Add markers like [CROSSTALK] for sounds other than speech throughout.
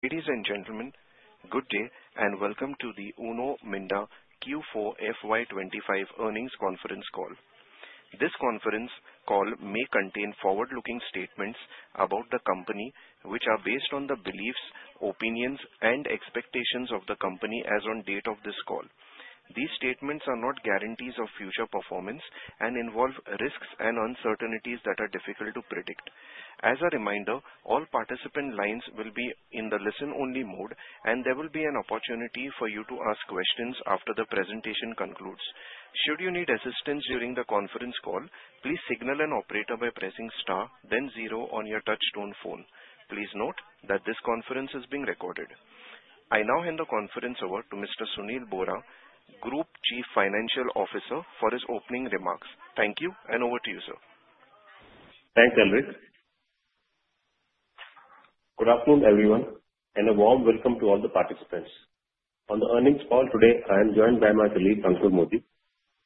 Ladies and gentlemen, good day and welcome to the Uno Minda Q4 FY25 Earnings Conference Call. This conference call may contain forward-looking statements about the company, which are based on the beliefs, opinions, and expectations of the company as on date of this call. These statements are not guarantees of future performance and involve risks and uncertainties that are difficult to predict. As a reminder, all participant lines will be in the listen-only mode, and there will be an opportunity for you to ask questions after the presentation concludes. Should you need assistance during the conference call, please signal an operator by pressing star, then zero on your touch-tone phone. Please note that this conference is being recorded. I now hand the conference over to Mr. Sunil Bohra, Group Chief Financial Officer, for his opening remarks. Thank you, and over to you, sir. Thanks, Henrik. Good afternoon, everyone, and a warm welcome to all the participants. On the earnings call today, I am joined by my colleague, Ankur Modi.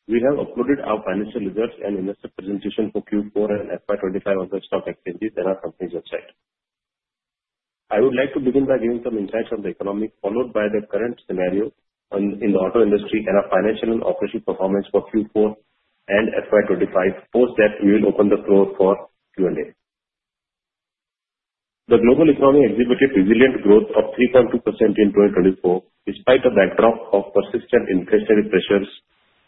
We have uploaded our financial results and investor presentation for Q4 and FY25 on the stock exchanges and our company's website. I would like to begin by giving some insights on the economy, followed by the current scenario in the auto industry and our financial and operational performance for Q4 and FY25, post that we will open the floor for Q&A. The global economy exhibited resilient growth of 3.2% in 2024, despite a backdrop of persistent inflationary pressures,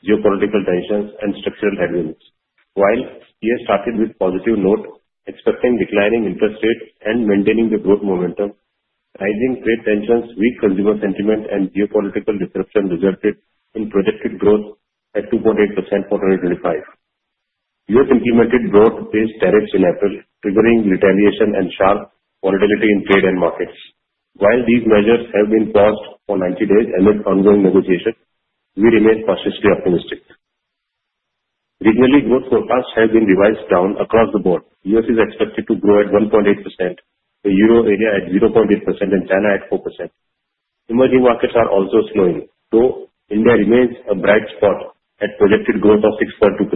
geopolitical tensions, and structural headwinds. While the year started with a positive note, expecting declining interest rates and maintaining the growth momentum, rising trade tensions, weak consumer sentiment, and geopolitical disruption resulted in projected growth at 2.8% for 2025. The U.S. implemented growth-based tariffs in April, triggering retaliation and sharp volatility in trade and markets. While these measures have been paused for 90 days amid ongoing negotiations, we remain cautiously optimistic. Regionally, growth forecasts have been revised down across the board. The U.S. is expected to grow at 1.8%, the Euro area at 0.8%, and China at 4%. Emerging markets are also slowing, though India remains a bright spot at projected growth of 6.2%.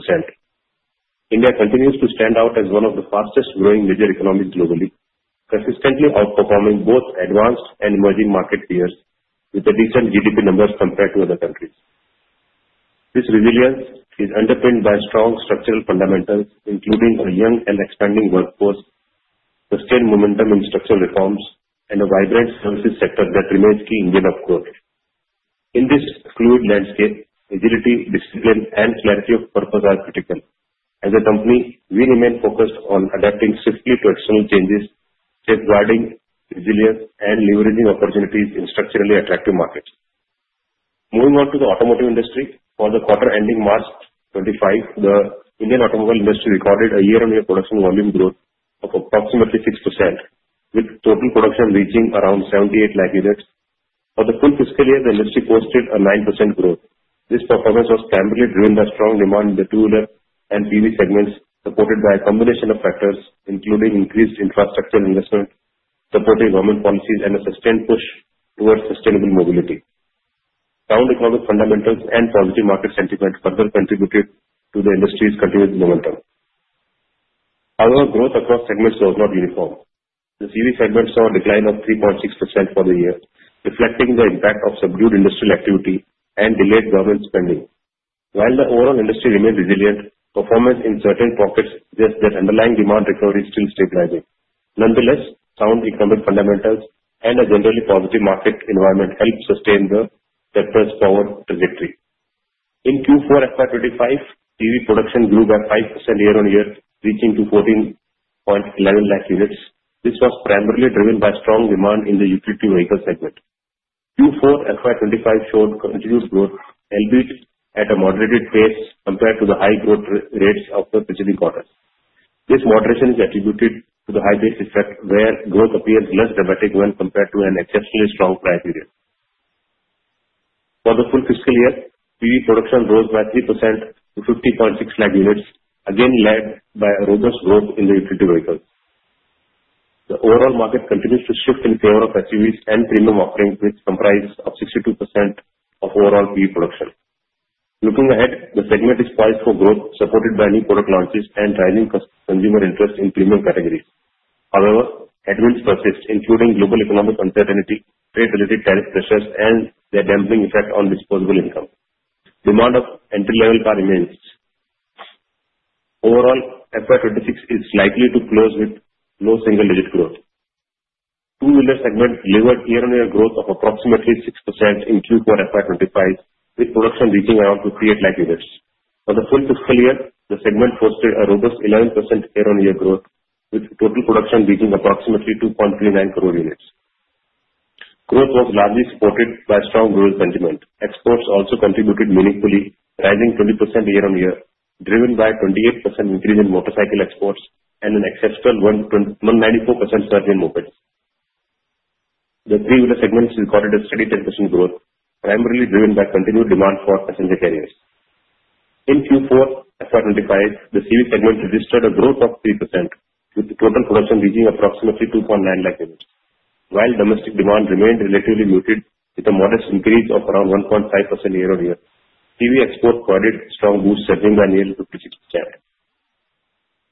India continues to stand out as one of the fastest-growing major economies globally, consistently outperforming both advanced and emerging market peers with decent GDP numbers compared to other countries. This resilience is underpinned by strong structural fundamentals, including a young and expanding workforce, sustained momentum in structural reforms, and a vibrant services sector that remains key in the upgrowth. In this fluid landscape, agility, discipline, and clarity of purpose are critical. As a company, we remain focused on adapting swiftly to external changes, safeguarding resilience, and leveraging opportunities in structurally attractive markets. Moving on to the automotive industry, for the quarter ending March 2025, the Indian automobile industry recorded a year-on-year production volume growth of approximately 6%, with total production reaching around 78 lakh units. For the full fiscal year, the industry posted a 9% growth. This performance was primarily driven by strong demand in the two-wheeler and PV segments, supported by a combination of factors, including increased infrastructure investment, supported government policies, and a sustained push towards sustainable mobility. Sound economic fundamentals and positive market sentiment further contributed to the industry's continued momentum. However, growth across segments was not uniform. The CV segment saw a decline of 3.6% for the year, reflecting the impact of subdued industrial activity and delayed government spending. While the overall industry remained resilient, performance in certain pockets suggests that underlying demand recovery is still stabilizing. Nonetheless, sound economic fundamentals and a generally positive market environment helped sustain the sector's power trajectory. In Q4 FY25, CV production grew by 5% year-on-year, reaching 14.11 lakh units. This was primarily driven by strong demand in the utility vehicle segment. Q4 FY25 showed continued growth, albeit at a moderated pace compared to the high growth rates of the preceding quarters. This moderation is attributed to the high base effect, where growth appears less dramatic when compared to an exceptionally strong prior period. For the full fiscal year, CV production rose by 3% to 50.6 lakh units, again led by robust growth in the utility vehicles. The overall market continues to shift in favor of SUVs and premium offerings, with a composition of 62% of overall CV production. Looking ahead, the segment is poised for growth, supported by new product launches and rising consumer interest in premium categories. However, headwinds persist, including global economic uncertainty, trade-related tariff pressures, and their dampening effect on disposable income. Demand for entry-level cars remains. Overall, FY26 is likely to close with low single-digit growth. The two-wheeler segment delivered year-on-year growth of approximately 6% in Q4 FY25, with production reaching around 58 lakh units. For the full fiscal year, the segment posted a robust 11% year-on-year growth, with total production reaching approximately 2.39 crore units. Growth was largely supported by strong global sentiment. Exports also contributed meaningfully, rising 20% year-on-year, driven by a 28% increase in motorcycle exports and an exceptional 194% surge in mopeds. The three-wheeler segment recorded a steady 10% growth, primarily driven by continued demand for passenger carriers. In Q4 FY25, the CV segment registered a growth of 3%, with total production reaching approximately 2.9 lakh units. While domestic demand remained relatively muted, with a modest increase of around 1.5% year-on-year, CV exports recorded strong boosts, surging by nearly 56%.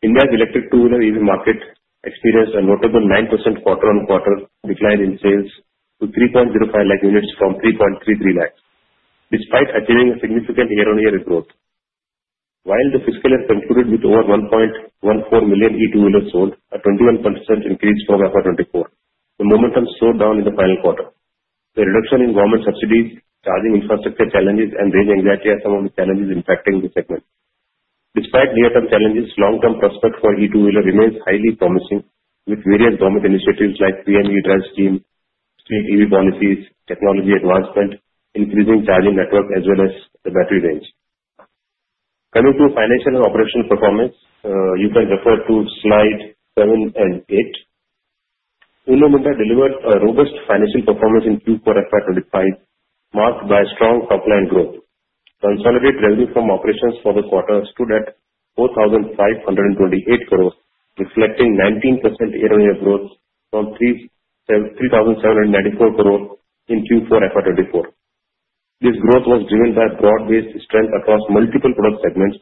India's electric two-wheeler EV market experienced a notable 9% quarter-on-quarter decline in sales, with 3.05 lakh units from 3.33 lakhs, despite achieving a significant year-on-year growth. While the fiscal year concluded with over 1.14 million e-two-wheelers sold, a 21% increase from FY24, the momentum slowed down in the final quarter. The reduction in government subsidies, charging infrastructure challenges, and range anxiety are some of the challenges impacting the segment. Despite near-term challenges, long-term prospects for e-two-wheelers remain highly promising, with various government initiatives like PM E-DRIVE schemes, state EV policies, technology advancement, increasing charging network, as well as the battery range. Coming to financial and operational performance, you can refer to slide 7 and 8. Uno Minda delivered a robust financial performance in Q4 FY25, marked by strong top-line growth. Consolidated revenue from operations for the quarter stood at 4,528 crore, reflecting 19% year-on-year growth from 3,794 crore in Q4 FY24. This growth was driven by broad-based strength across multiple product segments,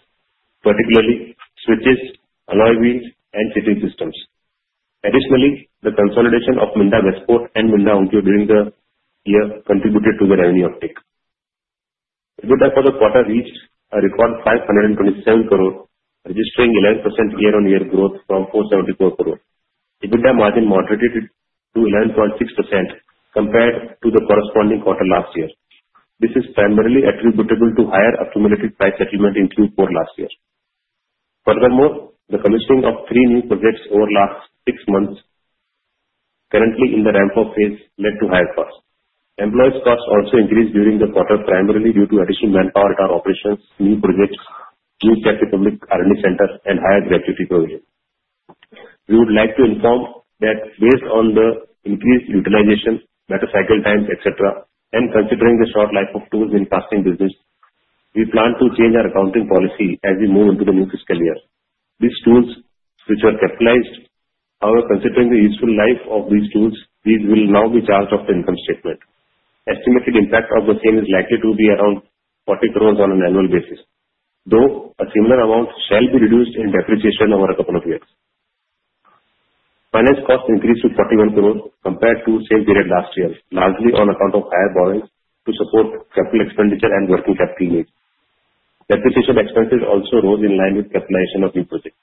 particularly switches, alloy wheels, and chain systems. Additionally, the consolidation of Minda Westport and Minda Onkyo during the year contributed to the revenue uptake. EBITDA for the quarter reached a record 527 crore, registering 11% year-on-year growth from 474 crore. EBITDA margin moderated to 11.6% compared to the corresponding quarter last year. This is primarily attributable to higher accumulated price settlement in Q4 last year. Furthermore, the commissioning of three new projects over the last six months, currently in the ramp-up phase, led to higher costs. Employees' costs also increased during the quarter, primarily due to additional manpower in our operations, new projects, new Czech Republic R&D centers, and higher gratuity provision. We would like to inform that, based on the increased utilization, better cycle times, etc., and considering the short life of tools in the casting business, we plan to change our accounting policy as we move into the new fiscal year. These tools, which were capitalized. However, considering the useful life of these tools, these will now be charged off the income statement. Estimated impact of the same is likely to be around 40 crore on an annual basis, though a similar amount shall be reduced in depreciation over a couple of years. Finance costs increased to 41 crore compared to the same period last year, largely on account of higher borrowings to support capital expenditure and working capital needs. Depreciation expenses also rose in line with capitalization of new projects.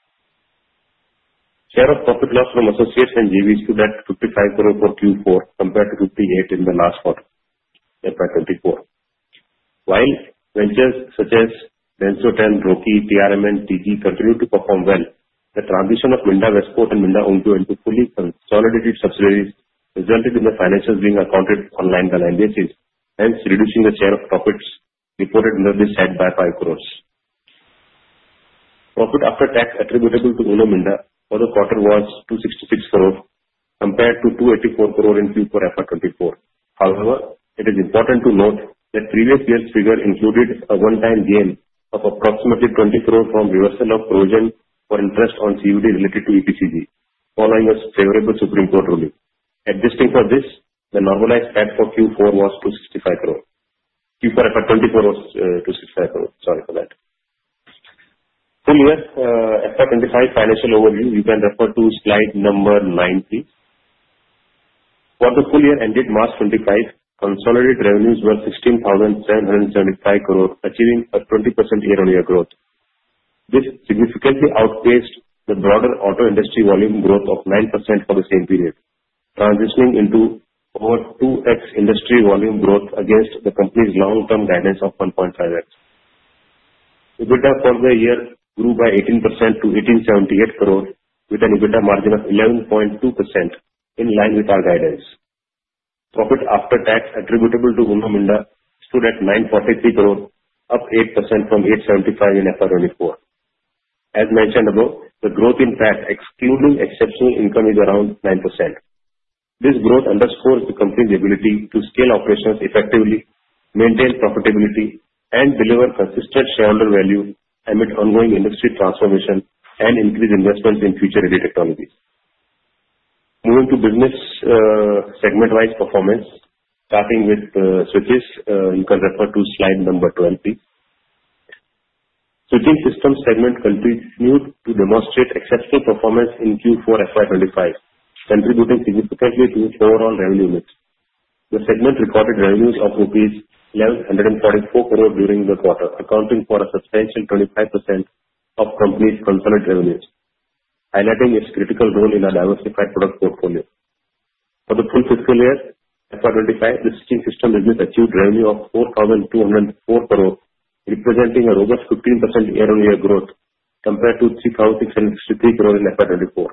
Share of profit/(loss) from associates and JVs stood at 55 crore for Q4 compared to 58 crore in the last quarter of FY24. While ventures such as DENSO TEN, Roki, TRMN, and TG continued to perform well, the transition of Minda Westport and Minda Onkyo into fully consolidated subsidiaries resulted in the financials being accounted for on a line-by-line basis, hence reducing the share of profits reported under this head by 5 crore. Profit after tax attributable to Uno Minda for the quarter was 266 crore compared to 284 crore in Q4 FY24. However, it is important to note that previous year's figure included a one-time gain of approximately 20 crore from reversal of provision for interest on CUD related to EPCG, following a favorable Supreme Court ruling. Adjusting for this, the normalized PAT for Q4 was 265 crore. Q4 FY24 was 265 crore. Sorry for that. Full year FY25 financial overview, you can refer to slide number 19, please. For the full year ended March 2025, consolidated revenues were 16,775 crore, achieving a 20% year-on-year growth. This significantly outpaced the broader auto industry volume growth of 9% for the same period, transitioning into over 2x industry volume growth against the company's long-term guidance of 1.5x. EBITDA for the year grew by 18% to 1,878 crore, with an EBITDA margin of 11.2% in line with our guidance. Profit after tax attributable to Uno Minda stood at 943 crore, up 8% from 875 in FY24. As mentioned above, the growth in PAT excluding exceptional income is around 9%. This growth underscores the company's ability to scale operations effectively, maintain profitability, and deliver consistent shareholder value amid ongoing industry transformation and increased investments in future-heavy technologies. Moving to business segment-wise performance, starting with switches, you can refer to slide number 20, please. Switching systems segment continued to demonstrate acceptable performance in Q4 FY25, contributing significantly to overall revenue mix. The segment recorded revenues of rupees 1,144 crore during the quarter, accounting for a substantial 25% of the company's consolidated revenues, highlighting its critical role in our diversified product portfolio. For the full fiscal year FY25, the switching system business achieved revenue of 4,204 crore, representing a robust 15% year-on-year growth compared to 3,663 crore in FY24.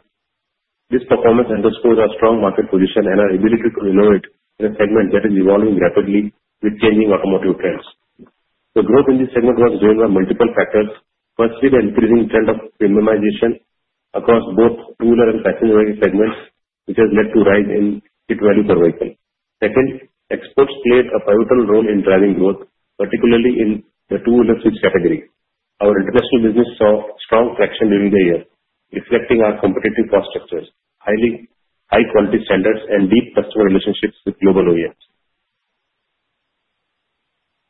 This performance underscores our strong market position and our ability to innovate in a segment that is evolving rapidly with changing automotive trends. The growth in this segment was driven by multiple factors. Firstly, the increasing trend of miniaturization across both two-wheeler and passenger vehicle segments, which has led to a rise in kit value per vehicle. Second, exports played a pivotal role in driving growth, particularly in the two-wheeler switch category. Our international business saw strong traction during the year, reflecting our competitive cost structures, high-quality standards, and deep customer relationships with global OEMs.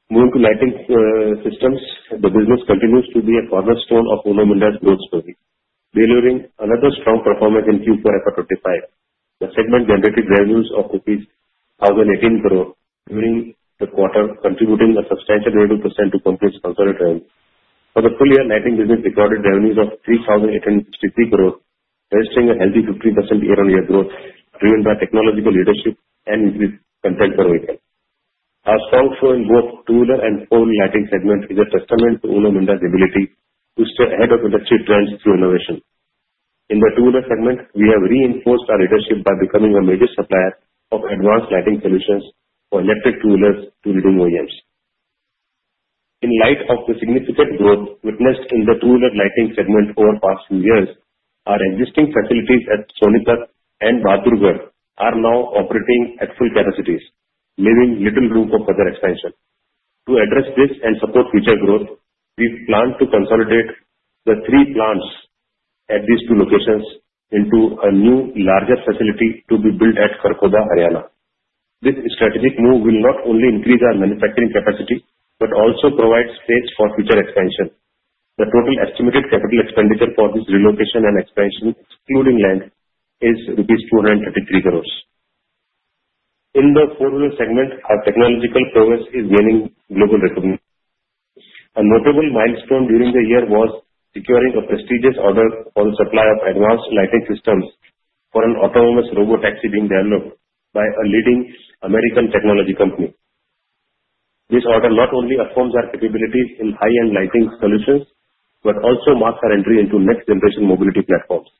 Moving to lighting systems, the business continues to be a cornerstone of Uno Minda's growth story, delivering another strong performance in Q4 FY25. The segment generated revenues of 1,018 crore during the quarter, contributing a substantial 22% to the company's consolidated revenue. For the full year, lighting business recorded revenues of 3,863 crore, registering a healthy 15% year-on-year growth, driven by technological leadership and increased content per vehicle. Our strong show in both two-wheeler and four-wheeler lighting segments is a testament to Uno Minda's ability to stay ahead of industry trends through innovation. In the two-wheeler segment, we have reinforced our leadership by becoming a major supplier of advanced lighting solutions for electric two-wheelers to leading OEMs. In light of the significant growth witnessed in the two-wheeler lighting segment over the past few years, our existing facilities at Sonipat and Bahadurgarh are now operating at full capacities, leaving little room for further expansion. To address this and support future growth, we plan to consolidate the three plants at these two locations into a new, larger facility to be built at Kharkhoda, Haryana. This strategic move will not only increase our manufacturing capacity but also provide space for future expansion. The total estimated capital expenditure for this relocation and expansion, excluding land, is rupees 233 crore. In the four-wheeler segment, our technological progress is gaining global recognition. A notable milestone during the year was securing a prestigious order for the supply of advanced lighting systems for an autonomous robotaxi being developed by a leading American technology company. This order not only affirms our capabilities in high-end lighting solutions but also marks our entry into next-generation mobility platforms.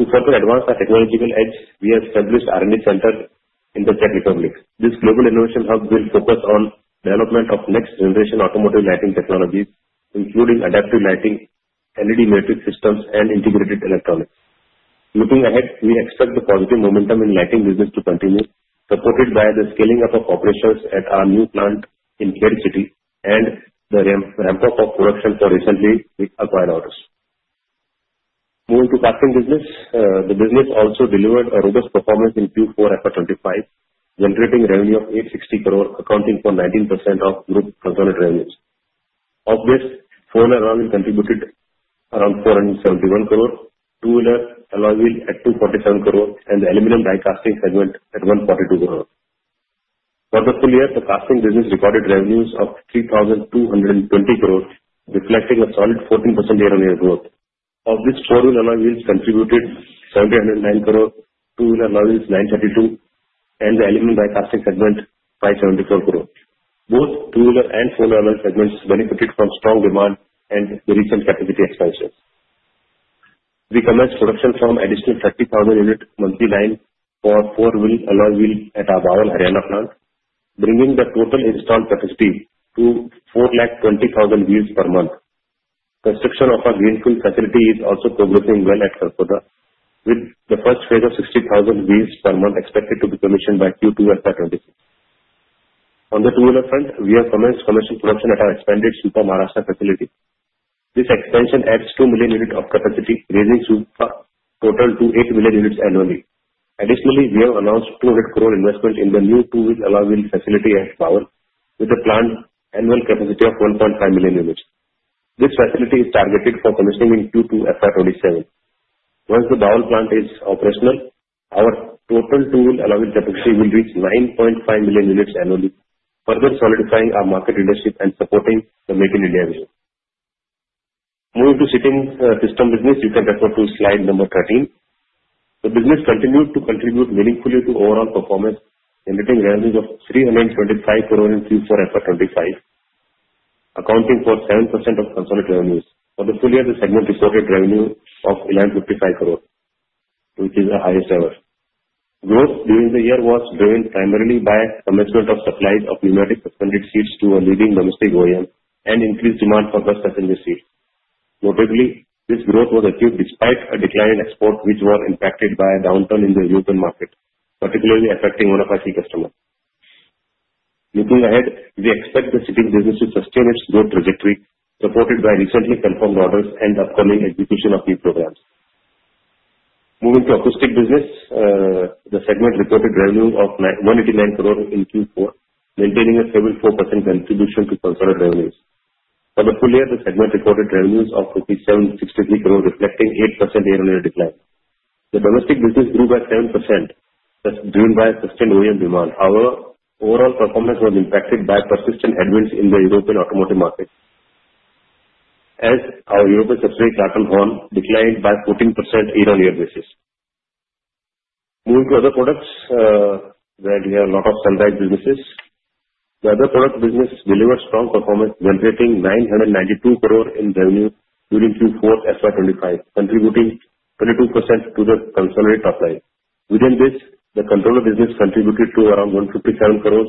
To further advance our technological edge, we have established an R&D center in the Czech Republic. This global innovation hub will focus on the development of next-generation automotive lighting technologies, including adaptive lighting, LED matrix systems, and integrated electronics. Looking ahead, we expect the positive momentum in the lighting business to continue, supported by the scaling up of operations at our new plant in Khed City and the ramp-up of production for recently acquired orders. Moving to the casting business, the business also delivered a robust performance in Q4 FY25, generating revenue of 860 crore, accounting for 19% of group consolidated revenues. Of this, four-wheeler alloy wheel contributed around 471 crore, two-wheeler alloy wheel at 247 crore, and the aluminum die casting segment at 142 crore. For the full year, the casting business recorded revenues of 3,220 crore, reflecting a solid 14% year-on-year growth. Of this, four-wheeler alloy wheels contributed 709 crore, two-wheeler alloy wheels 932 crore, and the aluminum die casting segment 574 crore. Both two-wheeler and four-wheeler alloy segments benefited from strong demand and the recent capacity expansion. We commenced production from an additional 30,000 units monthly line for four-wheeler alloy wheel at our Bawal, Haryana plant, bringing the total installed capacity to 420,000 wheels per month. Construction of our greenfield facility is also progressing well at Kharkhoda, with the first phase of 60,000 wheels per month expected to be commissioned by Q2 FY26. On the two-wheeler front, we have commenced commercial production at our expanded Supa Maharashtra facility. This expansion adds 2 million units of capacity, raising the total to 8 million units annually. Additionally, we have announced 200 crore investment in the new two-wheeler alloy wheel facility at Bawal, with the planned annual capacity of 1.5 million units. This facility is targeted for commissioning in Q2 FY27. Once the Bawal plant is operational, our total two-wheeler alloy wheel capacity will reach 9.5 million units annually, further solidifying our market leadership and supporting the Made in India vision. Moving to the seating system business, you can refer to slide number 13. The business continued to contribute meaningfully to overall performance, generating revenues of 325 crore in Q4 FY25, accounting for 7% of consolidated revenues. For the full year, the segment reported revenue of 1,155 crore, which is the highest ever. Growth during the year was driven primarily by the commencement of the supply of pneumatic suspended seats to a leading domestic OEM and increased demand for bus passenger seats. Notably, this growth was achieved despite a decline in exports, which was impacted by a downturn in the European market, particularly affecting one of our key customers. Looking ahead, we expect the seating business to sustain its growth trajectory, supported by recently confirmed orders and upcoming execution of new programs. Moving to the acoustic business, the segment reported revenues of 189 crore in Q4, maintaining a stable 4% contribution to consolidated revenues. For the full year, the segment reported revenues of 5,763 crore, reflecting an 8% year-on-year decline. The domestic business grew by 7%, thus driven by sustained OEM demand. However, overall performance was impacted by persistent headwinds in the European automotive market, as our European subsidiary Clarton Horn declined by 14% year-on-year basis. Moving to other products, where we have a lot of sunrise businesses, the other product business delivered strong performance, generating 992 crore in revenue during Q4 FY25, contributing 22% to the consolidated top line. Within this, the controller business contributed to around 157 crore,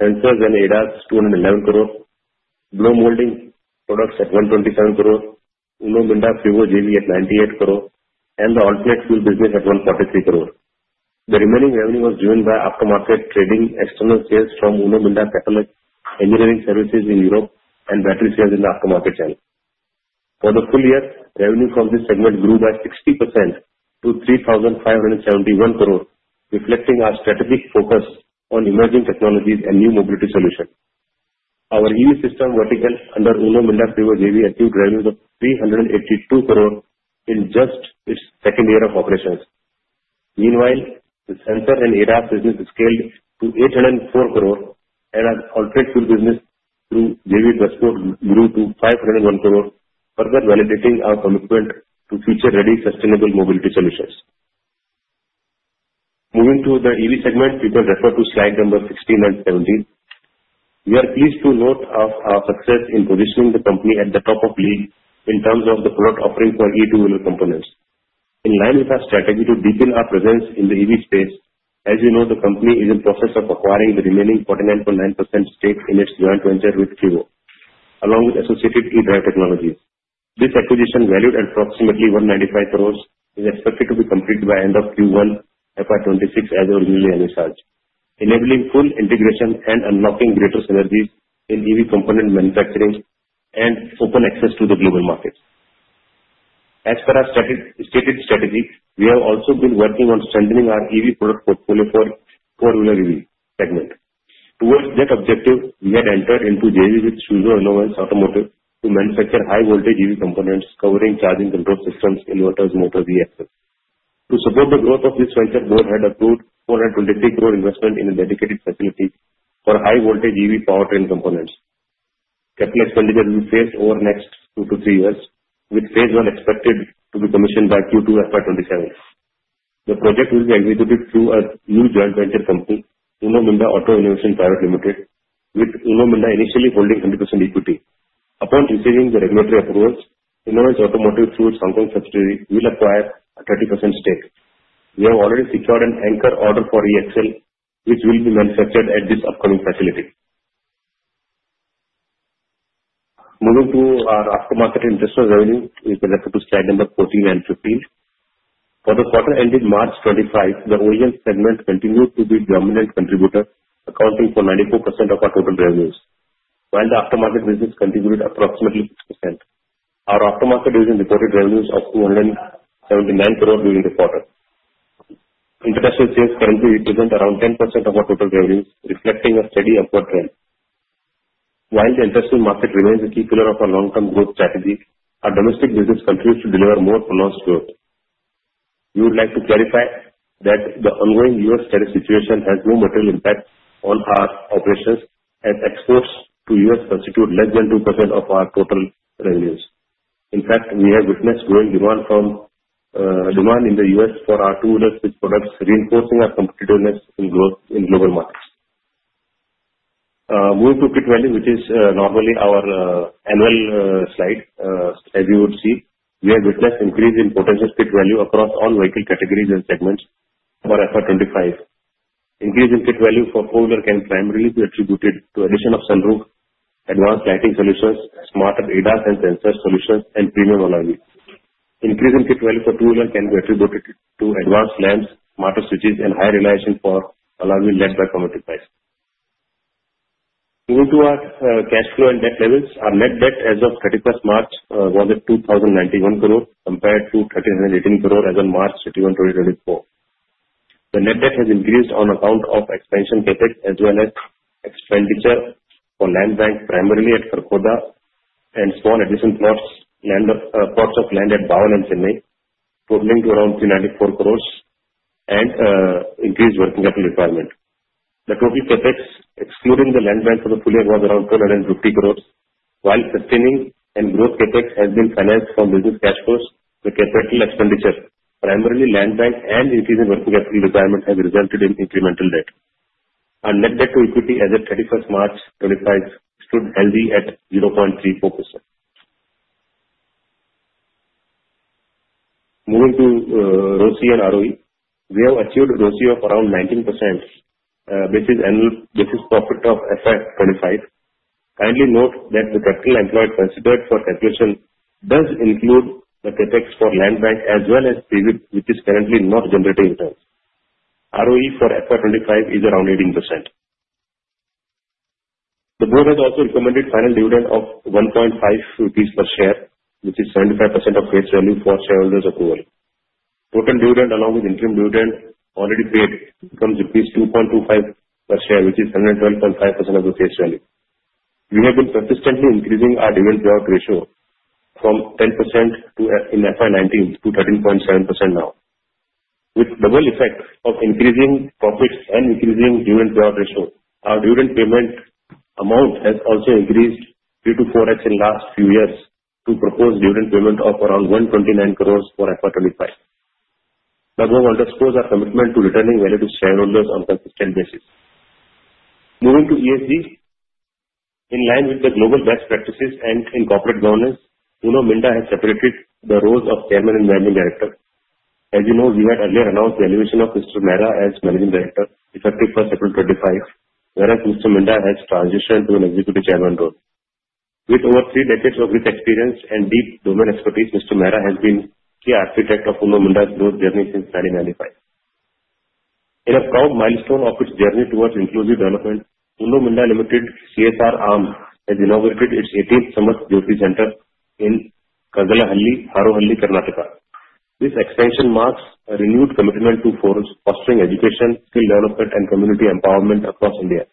sensors and ADAS 211 crore, blow molding products at 127 crore, Uno Minda FRIWO JV at 98 crore, and the alternate fuel business at 143 crore. The remaining revenue was driven by aftermarket trading external sales from Uno Minda CREAT in Europe and battery sales in the aftermarket channel. For the full year, revenue from this segment grew by 60% to 3,571 crore, reflecting our strategic focus on emerging technologies and new mobility solutions. Our EV system vertical under Uno Minda FRIWO JV achieved revenues of 382 crore in just its second year of operations. Meanwhile, the sensor and ADAS business scaled to 804 crore, and our alternate fuel business through JV Westport grew to 501 crore, further validating our commitment to future-ready sustainable mobility solutions. Moving to the EV segment, you can refer to slide number 16 and 17. We are pleased to note our success in positioning the company at the top of the league in terms of the product offering for E-two-wheeler components. In line with our strategy to deepen our presence in the EV space, as you know, the company is in the process of acquiring the remaining 49.9% stake in its joint venture with FRIWO, along with associated eDrive technologies. This acquisition, valued at approximately 195 crore, is expected to be completed by the end of Q1 FY26, as originally initiated, enabling full integration and unlocking greater synergies in EV component manufacturing and open access to the global markets. As per our stated strategy, we have also been working on strengthening our EV product portfolio for the four-wheeler EV segment. Towards that objective, we had entered into JV with Suzhou Inovance Automotive to manufacture high-voltage EV components covering charging control systems, inverters, motors, and e-axle. To support the growth of this venture, the board had approved 423 crore investment in a dedicated facility for high-voltage EV powertrain components. Capital expenditure will be phased over the next two to three years, with phase one expected to be commissioned by Q2 FY27. The project will be executed through a new joint venture company, Uno Minda Auto Innovation Private Limited, with Uno Minda initially holding 100% equity. Upon receiving the regulatory approvals, Inovance Automotive through its Hong Kong subsidiary will acquire a 30% stake. We have already secured an anchor order for e-Axle, which will be manufactured at this upcoming facility. Moving to our aftermarket investor revenue, you can refer to slide number 14 and 15. For the quarter ending March 25, the OEM segment continued to be the dominant contributor, accounting for 94% of our total revenues, while the aftermarket business contributed approximately 6%. Our aftermarket division reported revenues of 279 crore during the quarter. International sales currently represent around 10% of our total revenues, reflecting a steady upward trend. While the industrial market remains a key pillar of our long-term growth strategy, our domestic business continues to deliver more pronounced growth. We would like to clarify that the ongoing U.S. tariff situation has no material impact on our operations, as exports to the U.S. constitute less than 2% of our total revenues. In fact, we have witnessed growing demand in the U.S. for our two-wheeler switch products, reinforcing our competitiveness in growth in global markets. Moving to kit value, which is normally our annual slide, as you would see, we have witnessed an increase in potential kit value across all vehicle categories and segments for FY25. Increase in kit value for four-wheelers can primarily be attributed to the addition of sunroof, advanced lighting solutions, smarter ADAS and sensor solutions, and premium alloy wheels. Increase in kit value for two-wheelers can be attributed to advanced lamps, smarter switches, and higher reliability for alloy wheels led by commodity price. Moving to our cash flow and debt levels, our net debt as of 31st March was at 2,091 crore, compared to 1,318 crore as of March 31, 2024. The net debt has increased on account of expansion CapEx as well as expenditure for land bank primarily at Kharkhoda and small adjacent plots of land at Bawal and Chennai, totaling to around INR 394 crore, and increased working capital requirement. The total CapEx, excluding the land bank for the full year, was around 250 crore, while sustaining and growth CapEx has been financed from business cash flows with capital expenditure. Primarily land bank and increasing working capital requirement has resulted in incremental debt. Our net debt to equity as of 31st March 2025 stood healthy at 0.34%. Moving to ROCE and ROE, we have achieved a ROCE of around 19% basis profit of FY25. Kindly note that the capital employed considered for calculation does include the CapEx for land bank as well as CWIP, which is currently not generating returns. ROE for FY25 is around 18%. The board has also recommended a final dividend of 1.50 rupees per share, which is 75% of face value for shareholders' approval. Total dividend, along with interim dividend already paid, becomes rupees 2.25 per share, which is 112.5% of the face value. We have been persistently increasing our dividend payout ratio from 10% in FY19 to 13.7% now. With the double effect of increasing profits and increasing dividend payout ratio, our dividend payment amount has also increased due to 4X in the last few years to propose dividend payment of around 129 crore for FY25. The above underscores our commitment to returning value to shareholders on a consistent basis. Moving to ESG, in line with the global best practices and in corporate governance, Uno Minda has separated the roles of Chairman and Managing Director. As you know, we had earlier announced the elevation of Mr. Mehra as Managing Director effective 1st April 2025, whereas Mr. Minda has transitioned to an Executive Chairman role. With over three decades of rich experience and deep domain expertise, Mr. Mehra has been the key architect of Uno Minda's growth journey since 1995. In a proud milestone of its journey towards inclusive development, Uno Minda Limited (CSR Arm) has inaugurated its 18th Samarth-Jyoti Center in Kaggalipura, Harohalli, Karnataka. This expansion marks a renewed commitment to for fostering education, skill development, and community empowerment across India.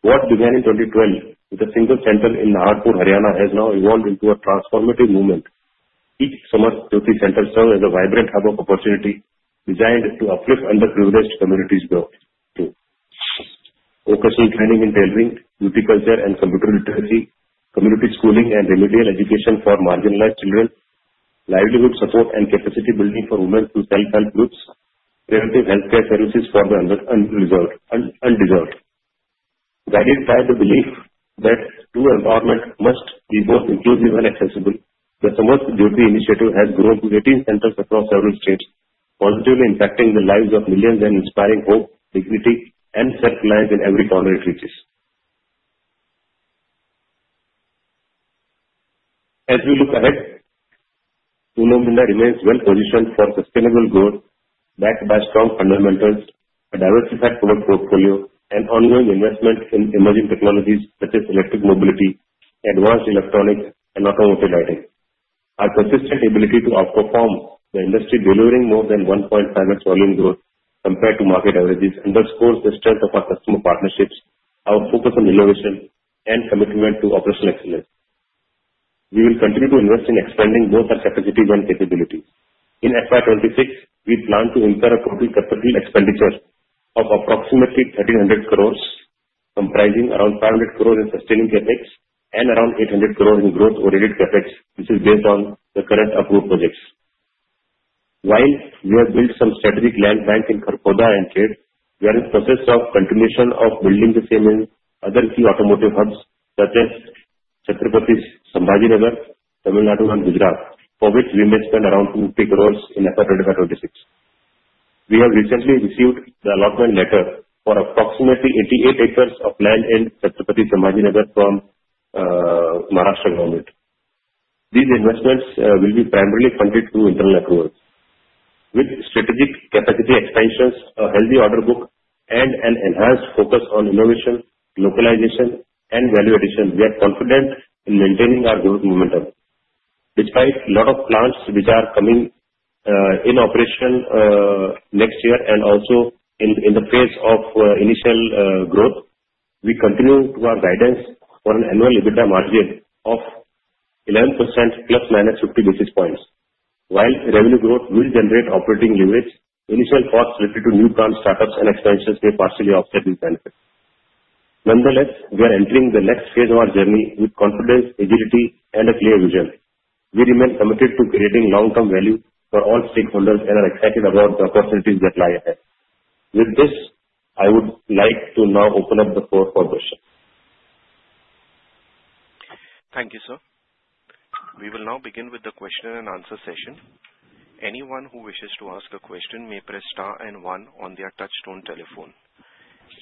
What began in 2012 with a single center in Naharpur, Haryana, has now evolved into a transformative movement. Each Samarth Jyoti Center serves as a vibrant hub of opportunity designed to uplift underprivileged communities. Vocational training in tailoring, beauty culture, and computer literacy, community schooling and remedial education for marginalized children, livelihood support and capacity building for women through self-help groups, preventive healthcare services for the underserved. Guided by the belief that true empowerment must be both inclusive and accessible, the Samarth Jyoti initiative has grown to 18 centers across several states, positively impacting the lives of millions and inspiring hope, dignity, and self-reliance in every corner it reaches. As we look ahead, Uno Minda remains well positioned for sustainable growth backed by strong fundamentals, a diversified product portfolio, and ongoing investment in emerging technologies such as electric mobility, advanced electronics, and automotive lighting. Our consistent ability to outperform the industry, delivering more than 1.5x volume growth compared to market averages, underscores the strength of our customer partnerships, our focus on innovation, and commitment to operational excellence. We will continue to invest in expanding both our capacities and capabilities. In FY26, we plan to incur a total capital expenditure of approximately 1,300 crore, comprising around 500 crore in sustaining CapEx and around 800 crore in growth-oriented CapEx, which is based on the current approved projects. While we have built some strategic land bank in Kharkhoda and Khed City, we are in the process of continuation of building the same in other key automotive hubs such as Chhatrapati Sambhajinagar, Tamil Nadu, and Gujarat, for which we may spend around 50 crore in FY26. We have recently received the allotment letter for approximately 88 acres of land in Chhatrapati Sambhajinagar from Maharashtra government. These investments will be primarily funded through internal accruals. With strategic capacity expansions, a healthy order book, and an enhanced focus on innovation, localization, and value addition, we are confident in maintaining our growth momentum. Despite a lot of plants which are coming into operation next year and also in the phase of initial growth, we continue with our guidance for an annual EBITDA margin of 11% plus or minus 50 basis points. While revenue growth will generate operating leverage, initial costs related to new plant startups and expansions may partially offset these benefits. Nonetheless, we are entering the next phase of our journey with confidence, agility, and a clear vision. We remain committed to creating long-term value for all stakeholders and are excited about the opportunities that lie ahead. With this, I would like to now open up the floor for questions. Thank you, sir. We will now begin with the question and answer session. Anyone who wishes to ask a question may press star and one on their touch-tone telephone.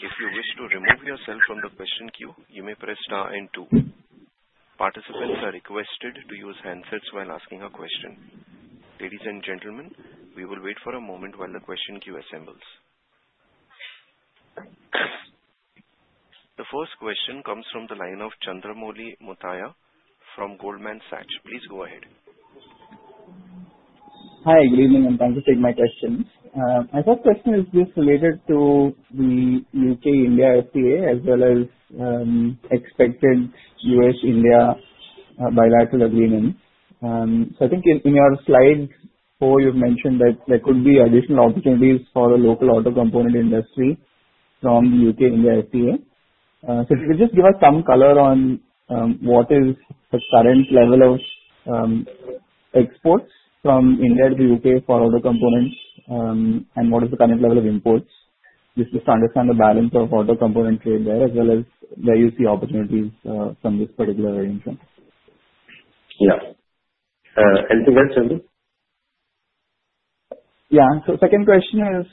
If you wish to remove yourself from the question queue, you may press star and two. Participants are requested to use handsets while asking a question. Ladies and gentlemen, we will wait for a moment while the question queue assembles. The first question comes from the line of Chandramouli Muthiah from Goldman Sachs. Please go ahead. Hi, good evening, and thank you for taking my question. My first question is just related to the U.K.-India FTA as well as the expected U.S.-India bilateral agreement. So I think in your slide four, you've mentioned that there could be additional opportunities for the local auto component industry from the U.K.-India FTA. So if you could just give us some color on what is the current level of exports from India to the U.K. for auto components and what is the current level of imports, just to understand the balance of auto component trade there as well as where you see opportunities from this particular arrangement. Yeah. Anything else, Chandu? Yeah. So the second question is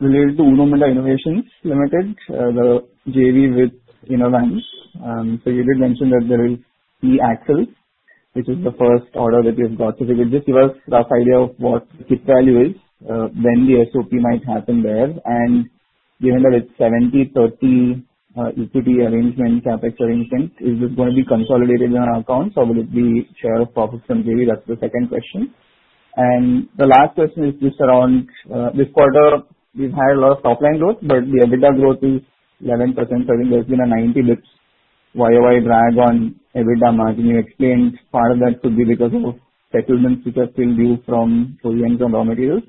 related to Uno Minda Auto Innovation Limited, the JV with Inovance. So you did mention that there is e-Axle, which is the first order that you've got. So if you could just give us a rough idea of what the kit value is, when the SOP might happen there, and given that it's 70-30 equity arrangement, CapEx arrangement, is this going to be consolidated in our accounts or will it be share of profits from JV? That's the second question. The last question is just around this quarter, we've had a lot of top-line growth, but the EBITDA growth is 11%. I think there's been a 90 bps YOY drag on EBITDA margin. You explained part of that could be because of settlements which are still due from OEMs on raw materials.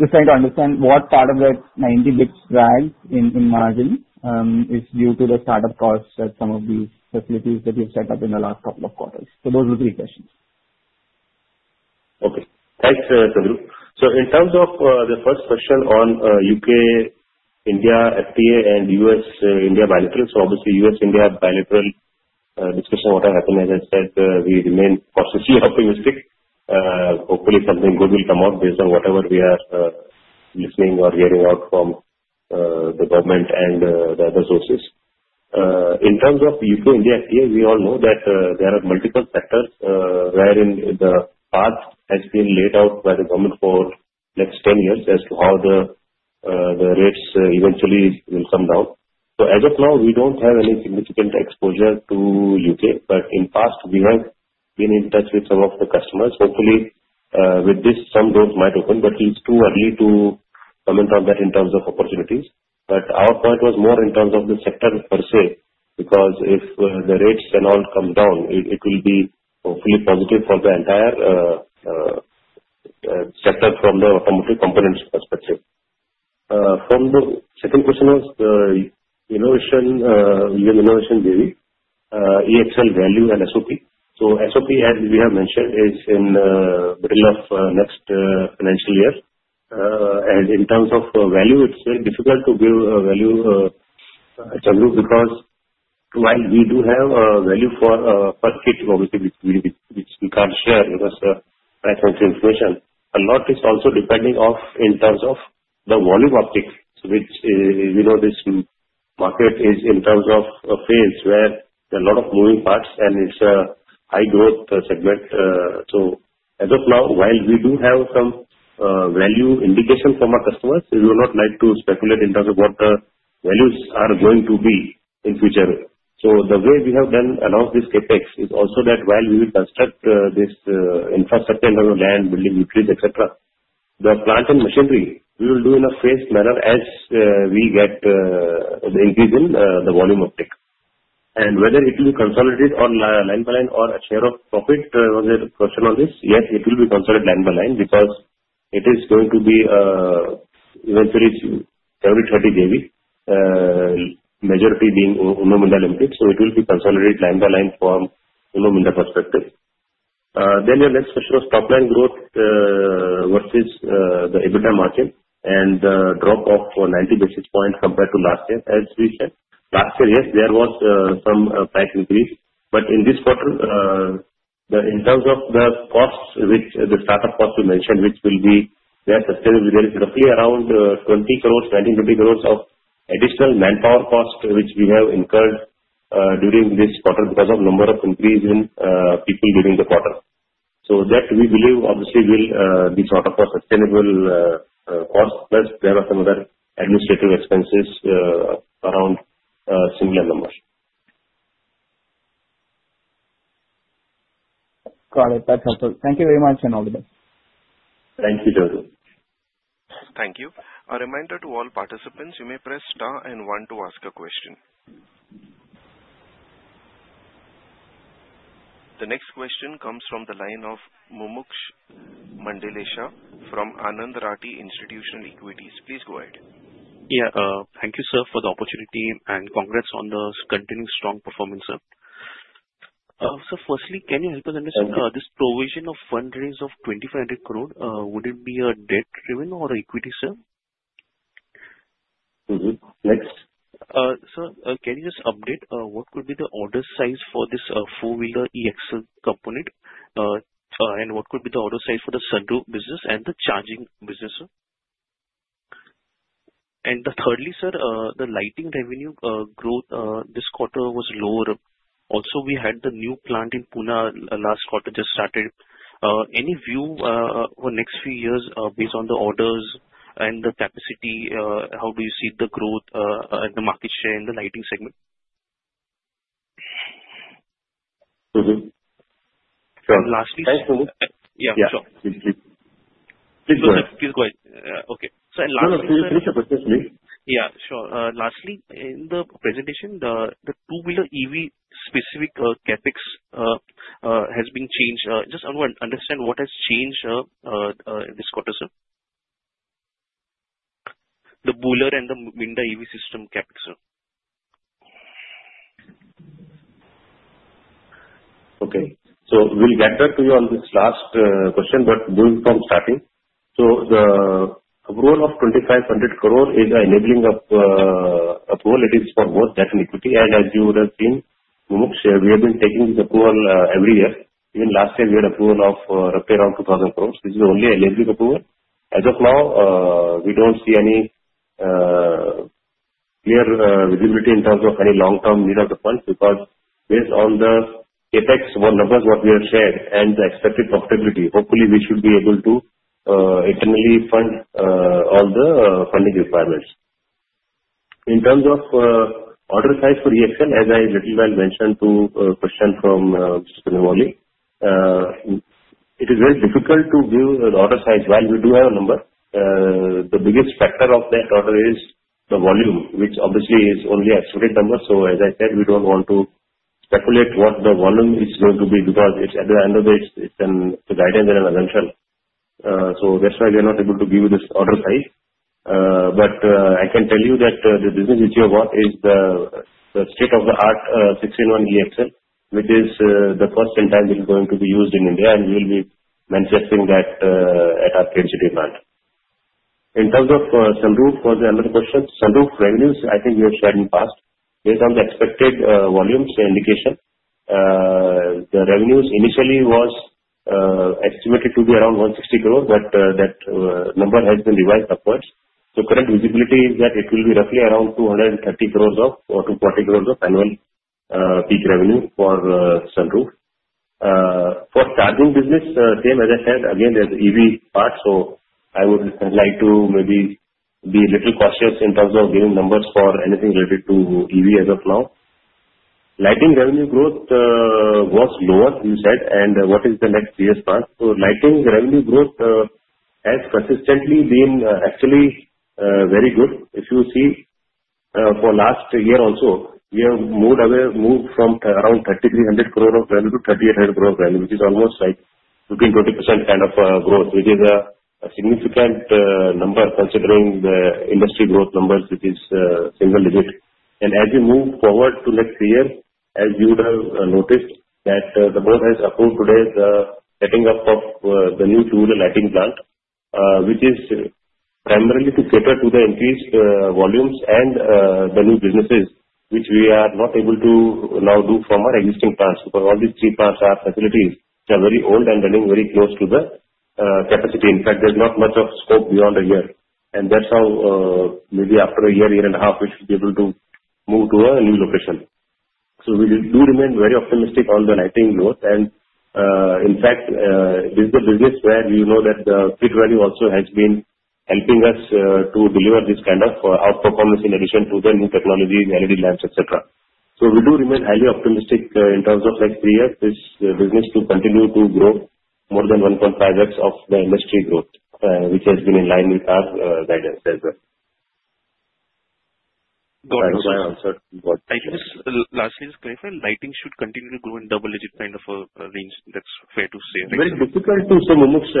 Just trying to understand what part of that 90 bps drag in margin is due to the startup costs at some of these facilities that you've set up in the last couple of quarters. Those were three questions. Okay. Thanks, Chandu. In terms of the first question on U.K.-India FTA and U.S.-India bilateral, so obviously U.S.-India bilateral discussion, whatever happens, as I said, we remain possibly optimistic. Hopefully, something good will come out based on whatever we are listening or hearing out from the government and the other sources. In terms of the U.K.-India FTA, we all know that there are multiple factors wherein the path has been laid out by the government for the next 10 years as to how the rates eventually will come down. So as of now, we don't have any significant exposure to U.K. But in the past, we have been in touch with some of the customers. Hopefully, with this, some doors might open, but it's too early to comment on that in terms of opportunities. But our point was more in terms of the sector per se, because if the rates and all come down, it will be hopefully positive for the entire sector from the automotive components perspective. From the second question was innovation JV, e-Axle value and SOP. So SOP, as we have mentioned, is in the middle of next financial year. In terms of value, it's very difficult to give a value, Chandu, because while we do have a value for a per kit, obviously, which we can't share because of privacy information, a lot is also depending on in terms of the volume uptake, which we know this market is in terms of a phase where there are a lot of moving parts and it's a high-growth segment. So as of now, while we do have some value indication from our customers, we would not like to speculate in terms of what the values are going to be in future. So the way we have done along with this CapEx is also that while we will construct this infrastructure in terms of land, building, utilities, etc., the plant and machinery we will do in a phased manner as we get the increase in the volume uptake. And whether it will be consolidated or line by line or a share of profit, was there a question on this? Yes, it will be consolidated line by line because it is going to be eventually 30-30 JV, majority being Uno Minda Limited. So it will be consolidated line by line from Uno Minda perspective. Then your next question was top-line growth versus the EBITDA margin and the drop of 90 basis points compared to last year. As we said, last year, yes, there was some freight increase. But in this quarter, in terms of the costs, which the startup costs you mentioned, which will be there sustainably, there is roughly around 19-20 crore of additional manpower cost which we have incurred during this quarter because of the number of increase in people during the quarter. So that we believe, obviously, will be sort of a sustainable cost plus there are some other administrative expenses around similar numbers. Got it. That's helpful. Thank you very much and all the best. Thank you, Chandu. Thank you. A reminder to all participants, you may press star and one to ask a question. The next question comes from the line of Mumuksh Mandlesha from Anand Rathi Institutional Equities. Please go ahead. Yeah. Thank you, sir, for the opportunity and congrats on the continued strong performance, sir. So firstly, can you help us understand this provision of fundraising of 2,500 crore? Would it be a debt-driven or equity, sir? Next. Sir, can you just update what could be the order size for this four-wheeler e-axle component and what could be the order size for the sunroof business and the charging business? And thirdly, sir, the lighting revenue growth this quarter was lower. Also, we had the new plant in Pune last quarter just started. Any view for next few years based on the orders and the capacity? How do you see the growth and the market share in the lighting segment? And lastly. Thanks. Yeah, sure. Please go ahead. Okay. So lastly. No, no. Finish your question, please. Yeah. Sure. Lastly, in the presentation, the two-wheeler EV specific CapEx has been changed. Just understand what has changed this quarter, sir? The two-wheeler and the EV system CapEx, sir. Okay. So we'll get back to you on this last question, but going from starting. So the approval of 2,500 crore is an enabling approval. It is for both debt and equity. And as you would have seen, Mumuksh, we have been taking this approval every year. Even last year, we had approval of roughly around 2,000 crore. This is only a labeling approval. As of now, we don't see any clear visibility in terms of any long-term need of the funds because based on the CapEx numbers what we have shared and the expected profitability, hopefully, we should be able to internally fund all the funding requirements. In terms of order size for e-Axle, as I little while mentioned to question from Mr. Chandramouli, it is very difficult to give an order size while we do have a number. The biggest factor of that order is the volume, which obviously is only an expected number. So as I said, we don't want to speculate what the volume is going to be because at the end of the day, it's an advertisement and an adventure. That's why we are not able to give you this order size. But I can tell you that the business which we have got is the state-of-the-art 6-in-1 e-Axle, which is the first in time which is going to be used in India, and we will be manifesting that at our Kharkhoda plant. In terms of sunroof for the another question, sunroof revenues, I think we have shared in the past. Based on the expected volumes indication, the revenues initially was estimated to be around 160 crore, but that number has been revised upwards. The current visibility is that it will be roughly around 230 crore up to 40 crore of annual peak revenue for sunroof. For charging business, same as I said, again, there's EV part. I would like to maybe be a little cautious in terms of giving numbers for anything related to EV as of now. Lighting revenue growth was lower, you said, and what is the next few years' plan? Lighting revenue growth has consistently been actually very good. If you see, for last year also, we have moved from around 3,300 crore of revenue to 3,800 crore of revenue, which is almost like 15-20% kind of growth, which is a significant number considering the industry growth numbers, which is single digit. As we move forward to next year, as you would have noticed, that the board has approved today the setting up of the new two-wheeler lighting plant, which is primarily to cater to the increased volumes and the new businesses, which we are not able to now do from our existing plants because all these three plants are facilities that are very old and running very close to the capacity. In fact, there's not much scope beyond a year. That's how maybe after a year, year and a half, we should be able to move to a new location. We do remain very optimistic on the lighting growth. In fact, this is the business where you know that the kit value also has been helping us to deliver this kind of outperformance in addition to the new technologies, LED lamps, etc. So we do remain highly optimistic in terms of next three years, this business to continue to grow more than 1.5x of the industry growth, which has been in line with our guidance as well. Got it. Thank you. Lastly, just clarify, lighting should continue to grow in double-digit kind of a range. That's fair to say. Very difficult to say, Mumuksh,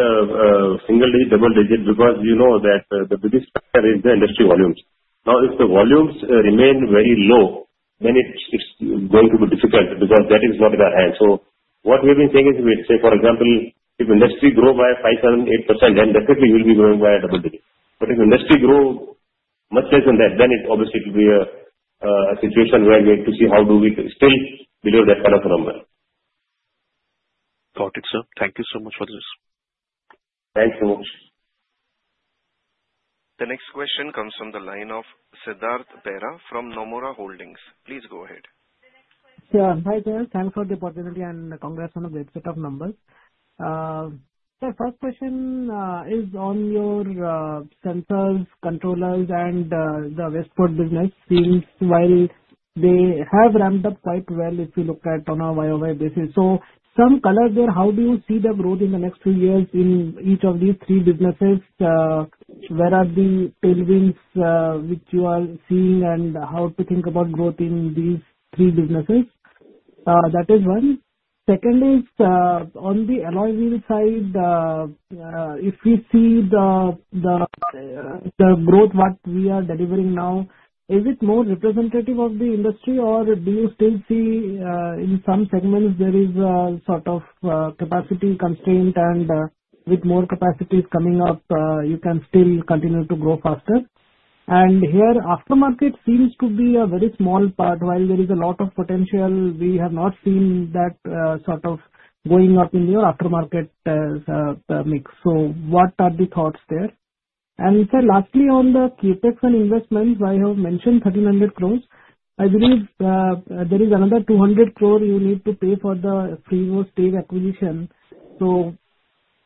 single digit, double digit, because you know that the biggest factor is the industry volumes. Now, if the volumes remain very low, then it's going to be difficult because that is not in our hands. So what we've been saying is we'd say, for example, if industry grow by 5 to 8%, then definitely we'll be growing by a double digit. But if industry grow much less than that, then obviously it will be a situation where we have to see how do we still deliver that kind of revenue. Got it, sir. Thank you so much for this. Thanks, Mumuksh. The next question comes from the line of Siddhartha Bera from Nomura Holdings. Please go ahead. Sir, hi there. Thanks for the opportunity and congrats on the great set of numbers. My first question is on your sensors, controllers, and the Westport business. Seems while they have ramped up quite well if you look at on a YOY basis. So some colors there. How do you see the growth in the next few years in each of these three businesses? Where are the tailwinds which you are seeing and how to think about growth in these three businesses? That is one. Second is on the alloy wheel side. If we see the growth what we are delivering now, is it more representative of the industry or do you still see in some segments there is sort of capacity constraint and with more capacities coming up, you can still continue to grow faster? And here, aftermarket seems to be a very small part while there is a lot of potential. We have not seen that sort of going up in your aftermarket mix. So what are the thoughts there? And sir, lastly on the CapEx and investments, I have mentioned 1,300 crores. I believe there is another 200 crores you need to pay for the FRIWO stake acquisition. So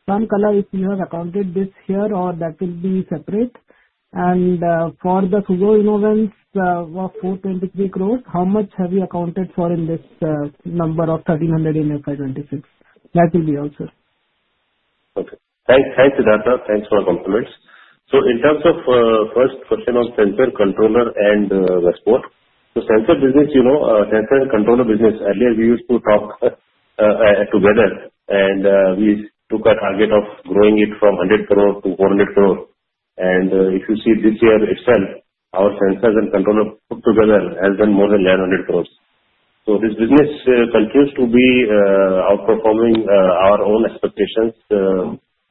some color, if you have accounted this here or that will be separate. And for the FRIWO Inovance of 423 crore, how much have you accounted for in this number of 1,300 in FY26? That will be also. Okay. Thanks, Siddhartha. Thanks for the compliments. So in terms of first question on sensor, controller, and Westport, the sensor business, you know, sensor and controller business, earlier we used to talk together and we took a target of growing it from 100 crore to 400 crore. And if you see this year itself, our sensors and controllers put together has been more than 1,100 crore. So this business continues to be outperforming our own expectations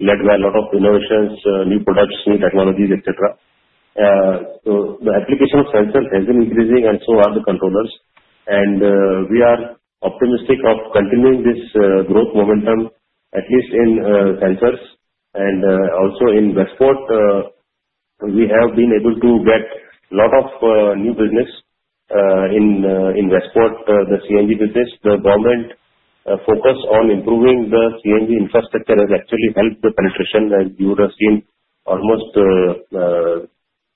led by a lot of innovations, new products, new technologies, etc. So the application of sensors has been increasing and so are the controllers. And we are optimistic of continuing this growth momentum at least in sensors and also in Westport. We have been able to get a lot of new business in Westport, the CNG business. The government focus on improving the CNG infrastructure has actually helped the penetration. As you would have seen, almost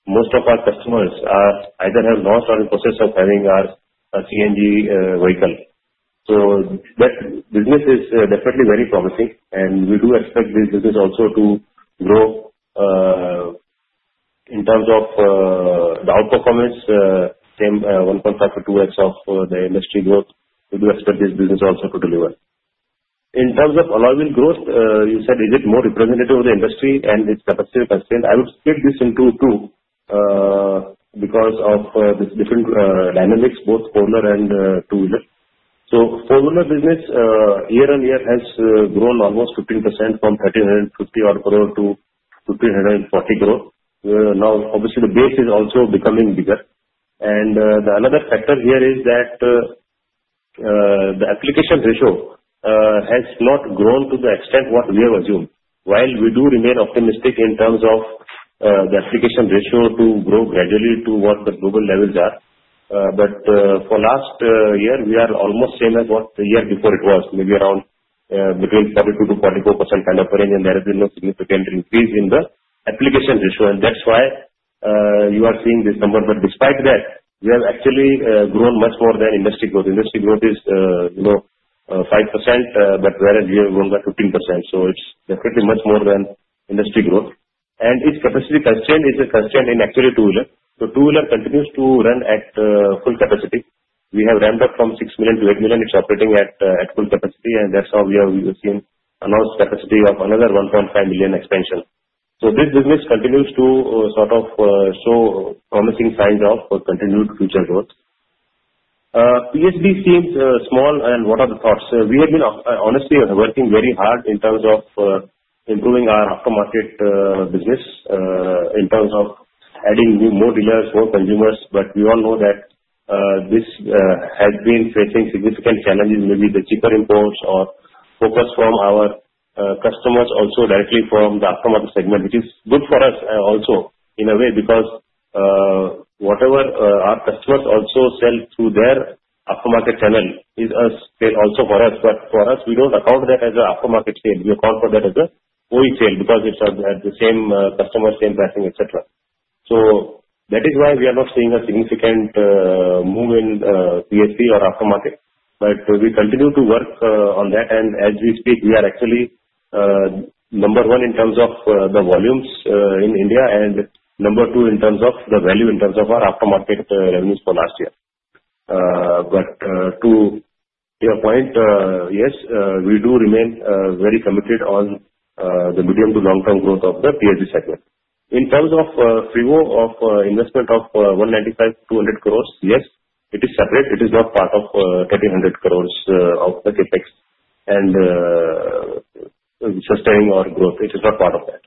most of our customers either have launched or in the process of launching our CNG vehicle. So that business is definitely very promising, and we do expect this business also to grow in terms of the outperformance, same 1.5 to 2x of the industry growth. We do expect this business also to deliver. In terms of alloy wheel growth, you said, is it more representative of the industry and its capacity constraint? I would split this into two because of the different dynamics, both four-wheeler and two-wheeler. So four-wheeler business year on year has grown almost 15% from 1,350 crores to 1,340 crores. Now, obviously, the base is also becoming bigger. And the another factor here is that the application ratio has not grown to the extent what we have assumed. While we do remain optimistic in terms of the application ratio to grow gradually to what the global levels are. But for last year, we are almost same as what the year before it was, maybe around between 42%-44% kind of range. And there has been no significant increase in the application ratio. And that's why you are seeing this number. But despite that, we have actually grown much more than industry growth. Industry growth is 5%, but whereas we have grown by 15%. So it's definitely much more than industry growth. And its capacity constraint is a constraint in actually two-wheeler. So two-wheeler continues to run at full capacity. We have ramped up from 6 million to 8 million. It's operating at full capacity. That's how we have seen announced capacity of another 1.5 million expansion. This business continues to sort of show promising signs of continued future growth. PSB seems small. What are the thoughts? We have been honestly working very hard in terms of improving our aftermarket business in terms of adding more dealers, more consumers. But we all know that this has been facing significant challenges, maybe the cheaper imports or focus from our customers also directly from the aftermarket segment, which is good for us also in a way because whatever our customers also sell through their aftermarket channel is a sale also for us. But for us, we don't account that as an aftermarket sale. We account for that as a OE sale because it's at the same customer, same pricing, etc. So that is why we are not seeing a significant move in PSB or aftermarket. But we continue to work on that. And as we speak, we are actually number one in terms of the volumes in India and number two in terms of the value in terms of our aftermarket revenues for last year. But to your point, yes, we do remain very committed on the medium to long-term growth of the PSB segment. In terms of FRIWO of investment of 195-200 crore, yes, it is separate. It is not part of 1,300 crore of the CapEx and sustaining our growth. It is not part of that.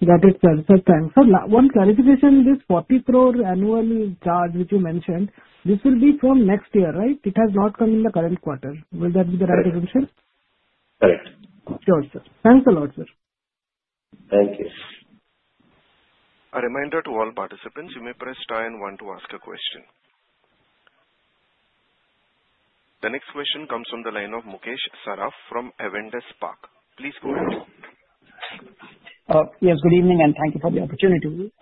That is perfect. Thanks. One clarification, this 40 crore annual charge which you mentioned, this will be from next year, right? It has not come in the current quarter. Will that be the right assumption? Correct. Sure, sir. Thanks a lot, sir. Thank you. A reminder to all participants, you may press star and one to ask a question. The next question comes from the line of Mukesh Saraf from Avendus Spark. Please go ahead. Yes, good evening and thank you for the opportunity.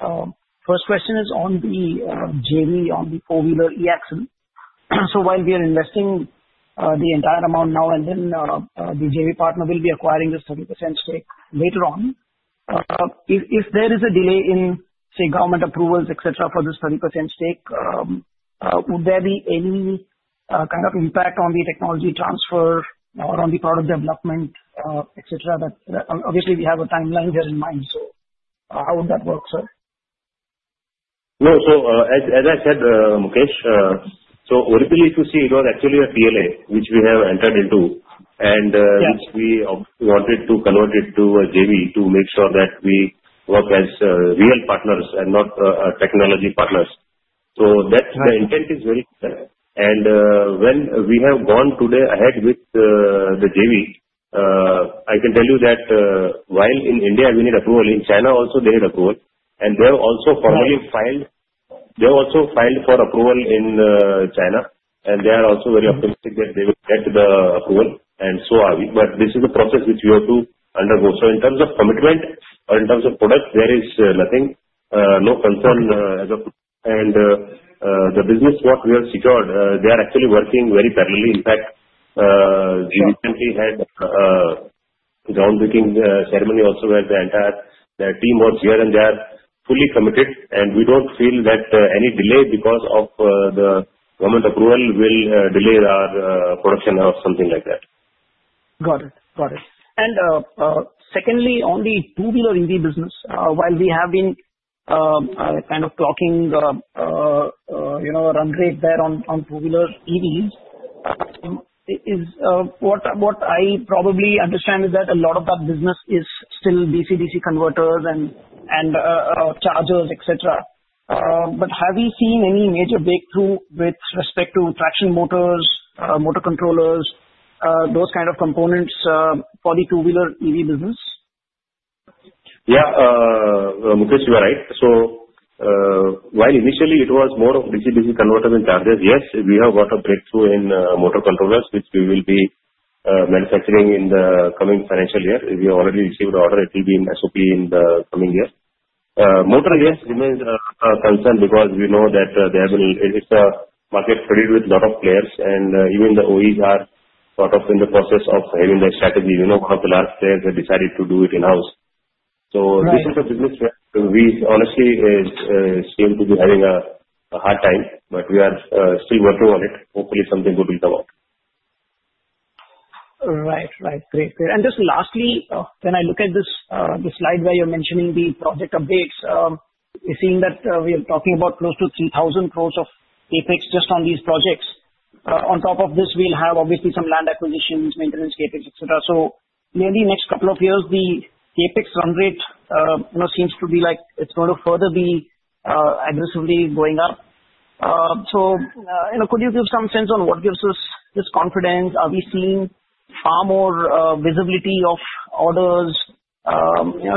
First question is on the JV on the four-wheeler e-Axle. So while we are investing the entire amount now and then the JV partner will be acquiring this 30% stake later on. If there is a delay in, say, government approvals, etc., for this 30% stake, would there be any kind of impact on the technology transfer or on the product development, etc.? Obviously, we have a timeline here in mind. So how would that work, sir? No, so as I said, Mukesh, so originally to see, it was actually a TLA which we have entered into and which we wanted to convert it to a JV to make sure that we work as real partners and not technology partners. So the intent is very clear. And when we have gone today ahead with the JV, I can tell you that while in India, we need approval. In China also, they had approval. And they have also formally filed for approval in China. And they are also very optimistic that they will get the approval. And so are we. But this is the process which we have to undergo. So in terms of commitment or in terms of product, there is nothing, no concern as of. And the business what we have secured, they are actually working very thoroughly. In fact, we recently had a groundbreaking ceremony also where the entire team was here and they are fully committed. And we don't feel that any delay because of the government approval will delay our production or something like that. Got it. Got it. And secondly, on the two-wheeler EV business, while we have been kind of clocking the run rate there on two-wheeler EVs, what I probably understand is that a lot of that business is still DC-DC converters and chargers, etc. But have we seen any major breakthrough with respect to traction motors, motor controllers, those kind of components for the two-wheeler EV business? Yeah, Mukesh, you are right. So while initially it was more of DC-DC converters and chargers, yes, we have got a breakthrough in motor controllers, which we will be manufacturing in the coming financial year. We have already received the order. It will be in SOP in the coming year. Motor, yes, remains a concern because we know that there will be a market crowded with a lot of players. And even the OEs are sort of in the process of having their strategy. You know how the large players have decided to do it in-house. So this is a business where we honestly seem to be having a hard time. But we are still working on it. Hopefully, something good will come out. Right, right. Great, great. And just lastly, when I look at this slide where you're mentioning the project updates, seeing that we are talking about close to 3,000 crores of CapEx just on these projects. On top of this, we'll have obviously some land acquisitions, maintenance capex, etc. So, in the next couple of years, the CapEx run rate seems to be like it's going to further be aggressively going up. So could you give some sense on what gives us this confidence? Are we seeing far more visibility of orders?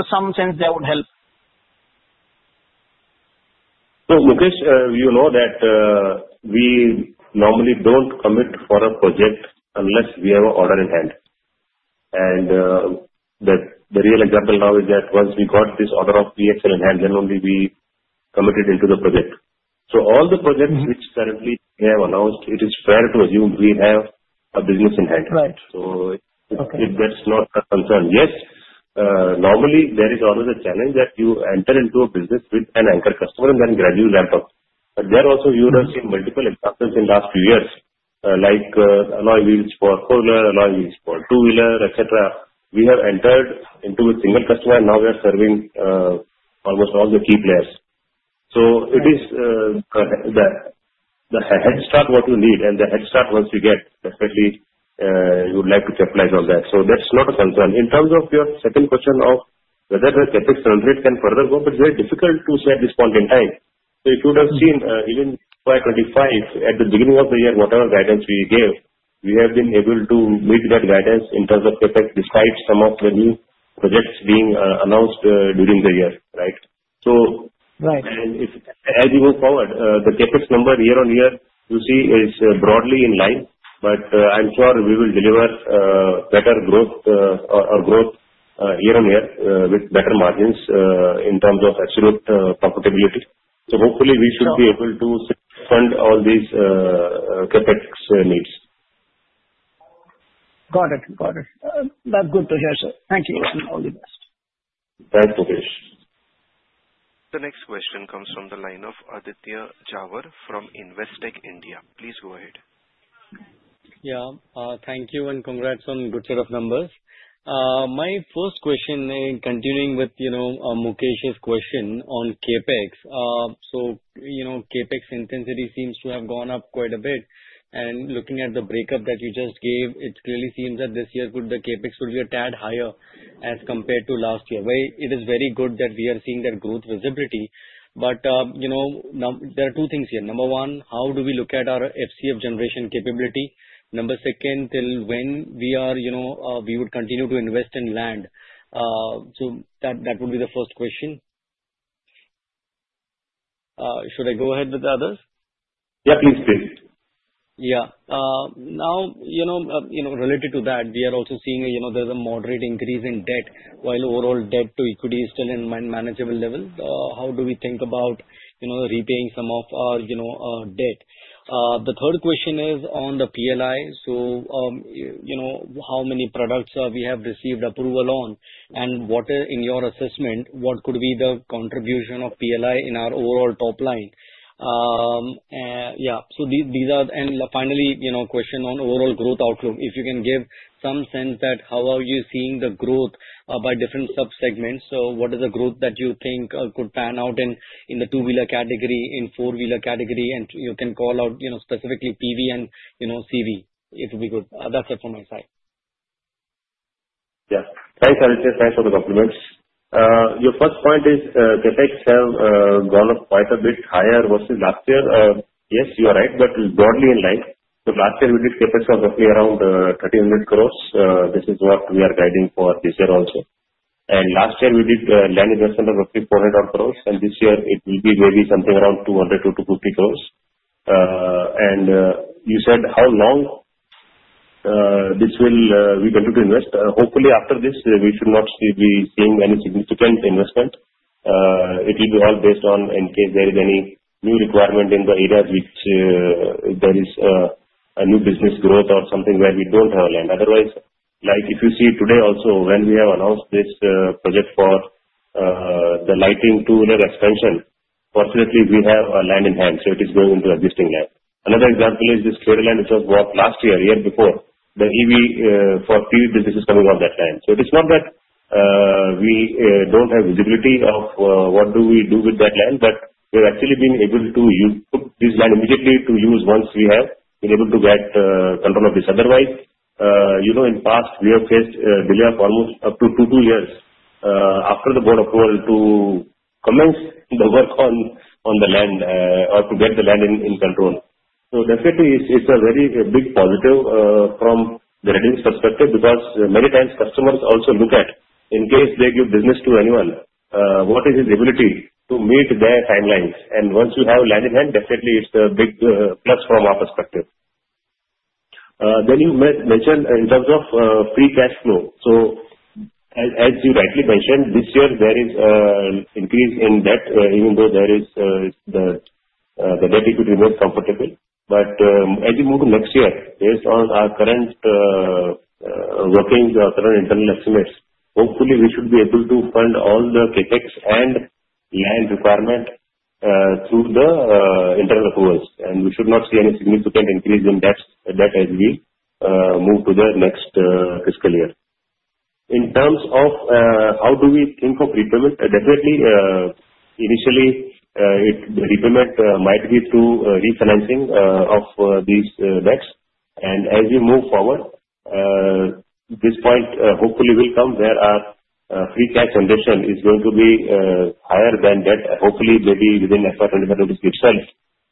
Some sense there would help. So Mukesh, you know that we normally don't commit for a project unless we have an order in hand. And the real example now is that once we got this order of e-Axle in hand, then only we committed into the project. So all the projects which currently we have announced, it is fair to assume we have a business in hand. So that's not a concern. Yes, normally there is always a challenge that you enter into a business with an anchor customer and then gradually ramp up. But there also you will have seen multiple examples in the last few years, like alloy wheels for four-wheeler, alloy wheels for two-wheeler, etc. We have entered into a single customer and now we are serving almost all the key players. So it is the headstart what you need and the headstart once you get, especially you would like to capitalize on that. So that's not a concern. In terms of your second question of whether the CapEx run rate can further go, but very difficult to say at this point in time. So if you would have seen even FY25 at the beginning of the year, whatever guidance we gave, we have been able to meet that guidance in terms of CapEx despite some of the new projects being announced during the year, right? So as we move forward, the CapEx number year on year, you see, is broadly in line. But I'm sure we will deliver better growth or growth year on year with better margins in terms of absolute profitability. So hopefully we should be able to fund all these CapEx needs. Got it. Got it. That's good to hear, sir. Thank you and all the best. Thanks, Mukesh. The next question comes from the line of Aditya Jhawar from Investec India. Please go ahead. Yeah, thank you and congrats on good set of numbers. My first question, continuing with Mukesh's question on CapEx, so CapEx intensity seems to have gone up quite a bit. And looking at the breakup that you just gave, it clearly seems that this year the CapEx would be a tad higher as compared to last year. Where it is very good that we are seeing that growth visibility. But there are two things here. Number one, how do we look at our FCF generation capability? Number two, till when we would continue to invest in land? So that would be the first question. Should I go ahead with the others? Yeah, please do. Yeah. Now, related to that, we are also seeing there's a moderate increase in debt. While overall debt to equity is still in manageable level, how do we think about repaying some of our debt? The third question is on the PLI. So how many products have we received approval on? And in your assessment, what could be the contribution of PLI in our overall top line? Yeah. So these are. And finally, question on overall growth outlook. If you can give some sense that how are you seeing the growth by different subsegments? So what is the growth that you think could pan out in the two-wheeler category, in four-wheeler category? And you can call out specifically PV and CV. It would be good. That's it from my side. Yeah. Thanks, Aditya. Thanks for the compliments. Your first point is CapEx have gone up quite a bit higher versus last year. Yes, you are right. But broadly in line. So last year, we did CapEx of roughly around 1,300 crores. This is what we are guiding for this year also. And last year, we did land investment of roughly 400 crores. And this year, it will be maybe something around 200-250 crores. And you said how long we continue to invest. Hopefully, after this, we should not be seeing any significant investment. It will be all based on in case there is any new requirement in the area which there is a new business growth or something where we don't have land. Otherwise, like if you see today also when we have announced this project for the lighting two-wheeler expansion, fortunately, we have land in hand. So it is going into existing land. Another example is this clear land which was bought last year, year before. The EV for PV business is coming on that land. So it is not that we don't have visibility of what do we do with that land. But we have actually been able to put this land immediately to use once we have been able to get control of this. Otherwise, in the past, we have faced a delay of almost up to two, two years after the board approval to commence the work on the land or to get the land in control. So definitely, it's a very big positive from the readiness perspective because many times customers also look at in case they give business to anyone, what is his ability to meet their timelines. And once you have land in hand, definitely, it's a big plus from our perspective. Then you mentioned in terms of free cash flow. So as you rightly mentioned, this year, there is an increase in debt even though the debt equity remains comfortable, but as we move to next year, based on our current working or current internal estimates, hopefully, we should be able to fund all the CapEx and land requirement through the internal accruals. We should not see any significant increase in debt as we move to the next fiscal year. In terms of how do we think of repayment, definitely, initially, the repayment might be through refinancing of these debts. As we move forward, this point hopefully will come where our free cash injection is going to be higher than debt. Hopefully, maybe within FY25 itself.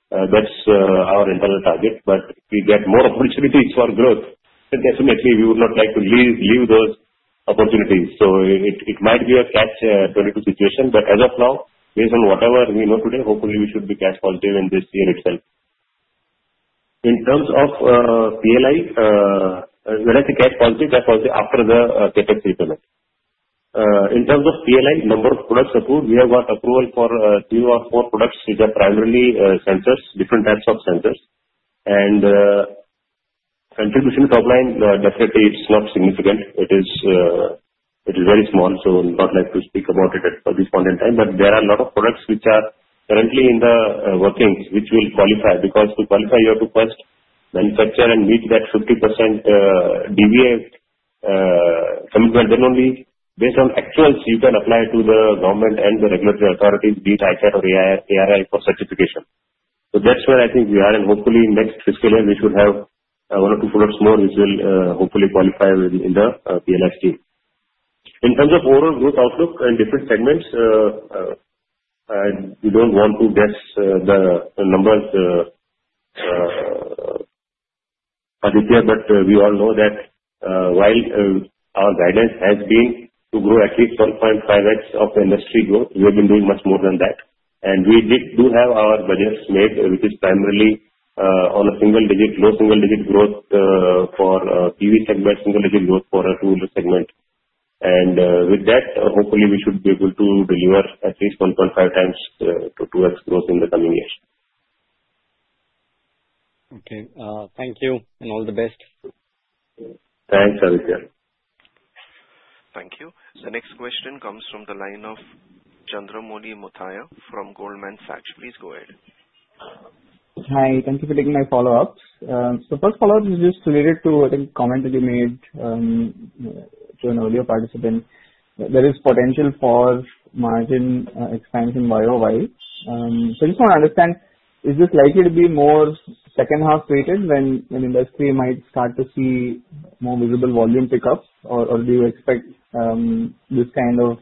That's our internal target. If we get more opportunities for growth, then definitely, we would not like to leave those opportunities. It might be a Catch-22 situation. As of now, based on whatever we know today, hopefully, we should be cash positive in this year itself. In terms of PLI, when I say cash positive, that's also after the CapEx repayment. In terms of PLI, number of products approved, we have got approval for three or four products which are primarily sensors, different types of sensors. And contribution to top line, definitely, it's not significant. It is very small. So not like to speak about it at this point in time. But there are a lot of products which are currently in the workings which will qualify. Because to qualify, you have to first manufacture and meet that 50% DVA commitment. Then only based on actuals, you can apply to the government and the regulatory authorities, be it ICAT or ARAI for certification. So that's where I think we are. And hopefully, next fiscal year, we should have one or two products more which will hopefully qualify in the PLI scheme. In terms of overall growth outlook and different segments, we don't want to guess the numbers, Aditya. But we all know that while our guidance has been to grow at least 1.5x of the industry growth, we have been doing much more than that. And we do have our budgets made, which is primarily on a single-digit, low single-digit growth for PV segment, single-digit growth for a two-wheeler segment. And with that, hopefully, we should be able to deliver at least 1.5 times to 2x growth in the coming years. Okay. Thank you. And all the best. Thanks, Aditya. Thank you. The next question comes from the line of Chandramouli Muthiah from Goldman Sachs. Please go ahead. Hi. Thank you for taking my follow-ups. So first follow-up is just related to, I think, a comment that you made to an earlier participant. There is potential for margin expansion by OY. So I just want to understand, is this likely to be more second-half weighted when industry might start to see more visible volume pickups? Or do you expect this kind of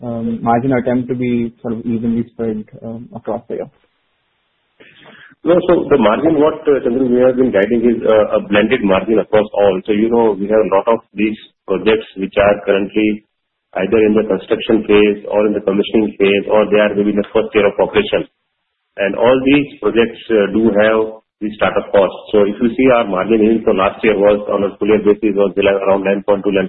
margin attempt to be sort of evenly spread across the year? So the margin, what Chandramouli has been guiding, is a blended margin across all. So we have a lot of these projects which are currently either in the construction phase or in the commissioning phase, or they are maybe in the first year of operation. And all these projects do have these startup costs. So if you see our margin even for last year was on a full-year basis around 9.2, 9.3%.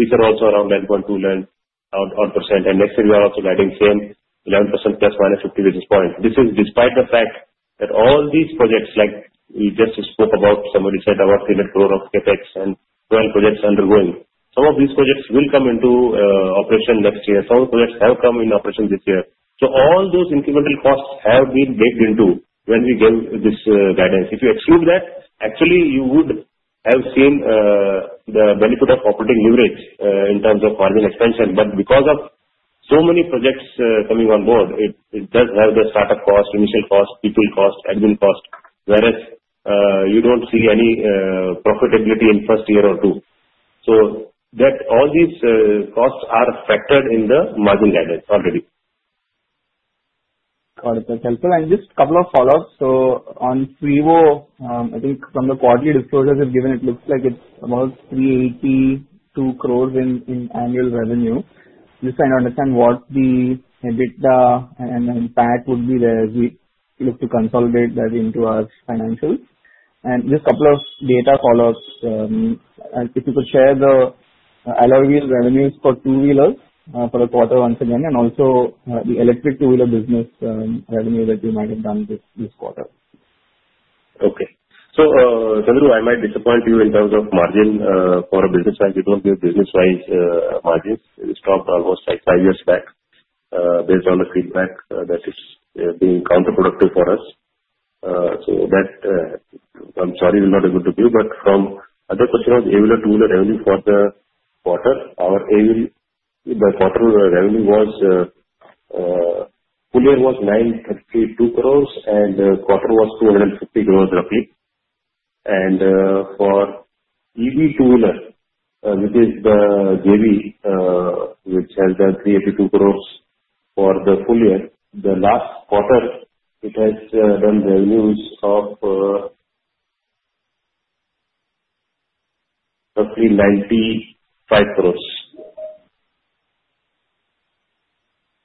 This year also around 9.2%. And next year, we are also guiding same 11% plus minus 50 basis points. This is despite the fact that all these projects like we just spoke about, somebody said about INR 300 crore of CapEx and 12 projects undergoing. Some of these projects will come into operation next year. Some of the projects have come in operation this year. So all those incremental costs have been baked into when we gave this guidance. If you exclude that, actually, you would have seen the benefit of operating leverage in terms of margin expansion. But because of so many projects coming on board, it does have the startup cost, initial cost, people cost, admin cost, whereas you don't see any profitability in first year or two. So all these costs are factored in the margin guidance already. Got it. That's helpful. And just a couple of follow-ups. So on FRIWO, I think from the quarterly disclosures you've given, it looks like it's about 382 crore in annual revenue. Just trying to understand what the EBITDA and impact would be there as we look to consolidate that into our financials. And just a couple of data follow-ups. If you could share the alloy wheel revenues for two-wheelers for the quarter once again, and also the electric two-wheeler business revenue that you might have done this quarter. Okay. So Chandramouli, I might disappoint you in terms of margin for a business. It won't be a business-wise margin. We stopped almost like five years back based on the feedback that it's being counterproductive for us. So that, I'm sorry, will not be good to give. But from other questions, [AUDIO DISTORTION] two-wheeler revenue for the quarter, our [AUDIO DISTORTION] the quarter revenue was full year was 932 crores and quarter was 250 crores roughly. And for EV two-wheeler, which is the JV, which has done 382 crores for the full year, the last quarter, it has done revenues of roughly INR 95 crores.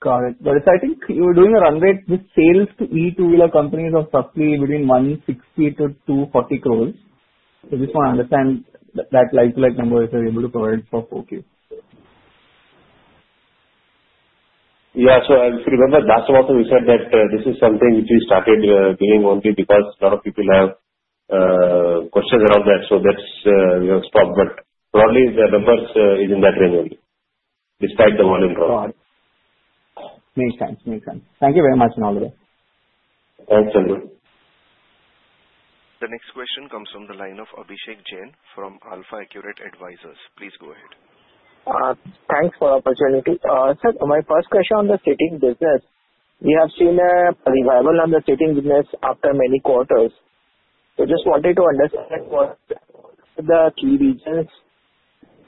Got it. But I think you were doing a run rate with sales to EV two-wheeler companies of roughly between 160 to 240 crores. So just want to understand that likelihood number if you're able to provide for 4Q. Yeah. So I remember last quarter, we said that this is something which we started doing only because a lot of people have questions around that. So that's stopped. But probably the numbers are in that range only, despite the volume problem. Got it. Makes sense. Makes sense. Thank you very much and all the best. Thanks, Chandramouli. The next question comes from the line of Abhishek Jain from AlfAccurate Advisors. Please go ahead. Thanks for the opportunity. Sir, my first question on the seating business, we have seen a revival on the seating business after many quarters. So just wanted to understand what the key reasons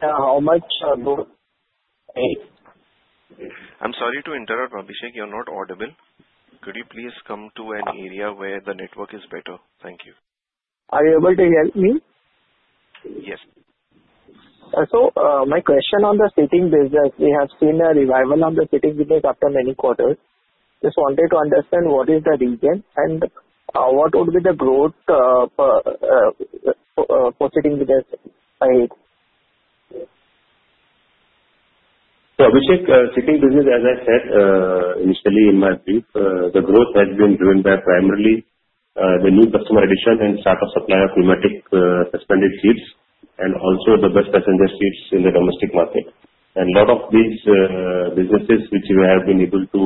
are, how much are those? I'm sorry to interrupt, Abhishek. You're not audible. Could you please come to an area where the network is better? Thank you. Are you able to hear me? Yes. So my question on the seating business, we have seen a revival on the seating business after many quarters. Just wanted to understand what is the reason and what would be the growth for seating business ahead? So Abhishek, seating business, as I said initially in my brief, the growth has been driven by primarily the new customer addition and startup supply of pneumatic suspended seats and also the bus passenger seats in the domestic market. And a lot of these businesses which we have been able to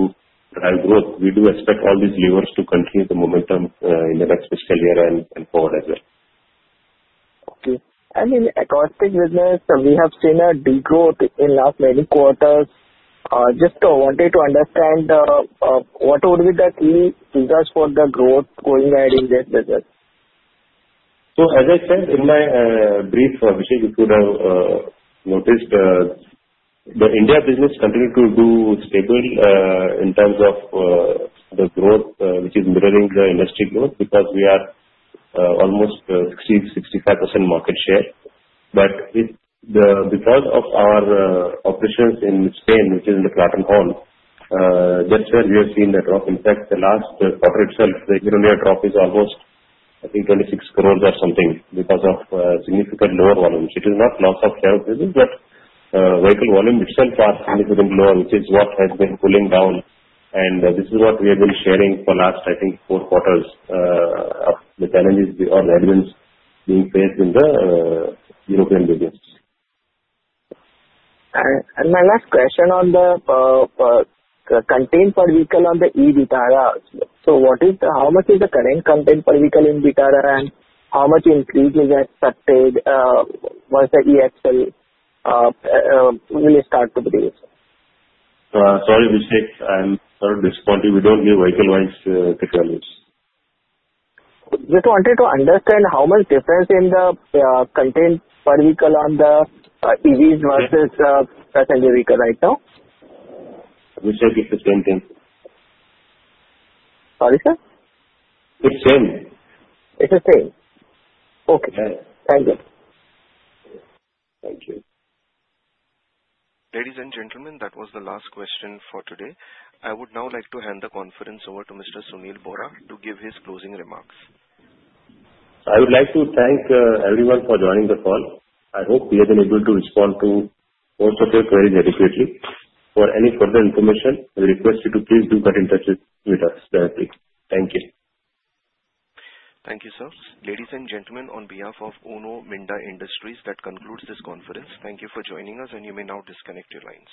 drive growth, we do expect all these levers to continue the momentum in the next fiscal year and forward as well. Okay. And in acoustic business, we have seen a degrowth in the last many quarters. Just wanted to understand what would be the key reasons for the growth going ahead in this business? So as I said in my brief, Abhishek, if you would have noticed, the India business continued to do stable in terms of the growth which is mirroring the industry growth because we are almost 60%-65% market share. But because of our operations in Spain, which is in the Clarton Horn, that's where we have seen the drop. In fact, the last quarter itself, the year-on-year drop is almost, I think, 26 crores or something because of significant lower volumes. It is not loss of share of business, but vehicle volume itself is significantly lower, which is what has been cooling down. And this is what we have been sharing for the last, I think, four quarters of the challenges or the elements being faced in the European business. All right. And my last question on the content per vehicle on the e-Vitara. So how much is the current content per vehicle in e-Vitara and how much increase is expected once the e-Axle will start to produce? Sorry, Abhishek. I'm sorry to disappoint you. We don't give vehicle-wise takeaways. Just wanted to understand how much difference in the content per vehicle on the EVs versus passenger vehicle right now? Abhishek, it's the same thing. Sorry, sir? It's same. It's the same. Okay. Thank you. Thank you. Ladies and gentlemen, that was the last question for today. I would now like to hand the conference over to Mr. Sunil Bohra to give his closing remarks. I would like to thank everyone for joining the call. I hope we have been able to respond to most of your queries adequately. For any further information, we request you to please do get in touch with us directly. Thank you. Thank you, sir. Ladies and gentlemen, on behalf of Uno Minda Industries, that concludes this conference. Thank you for joining us, and you may now disconnect your lines.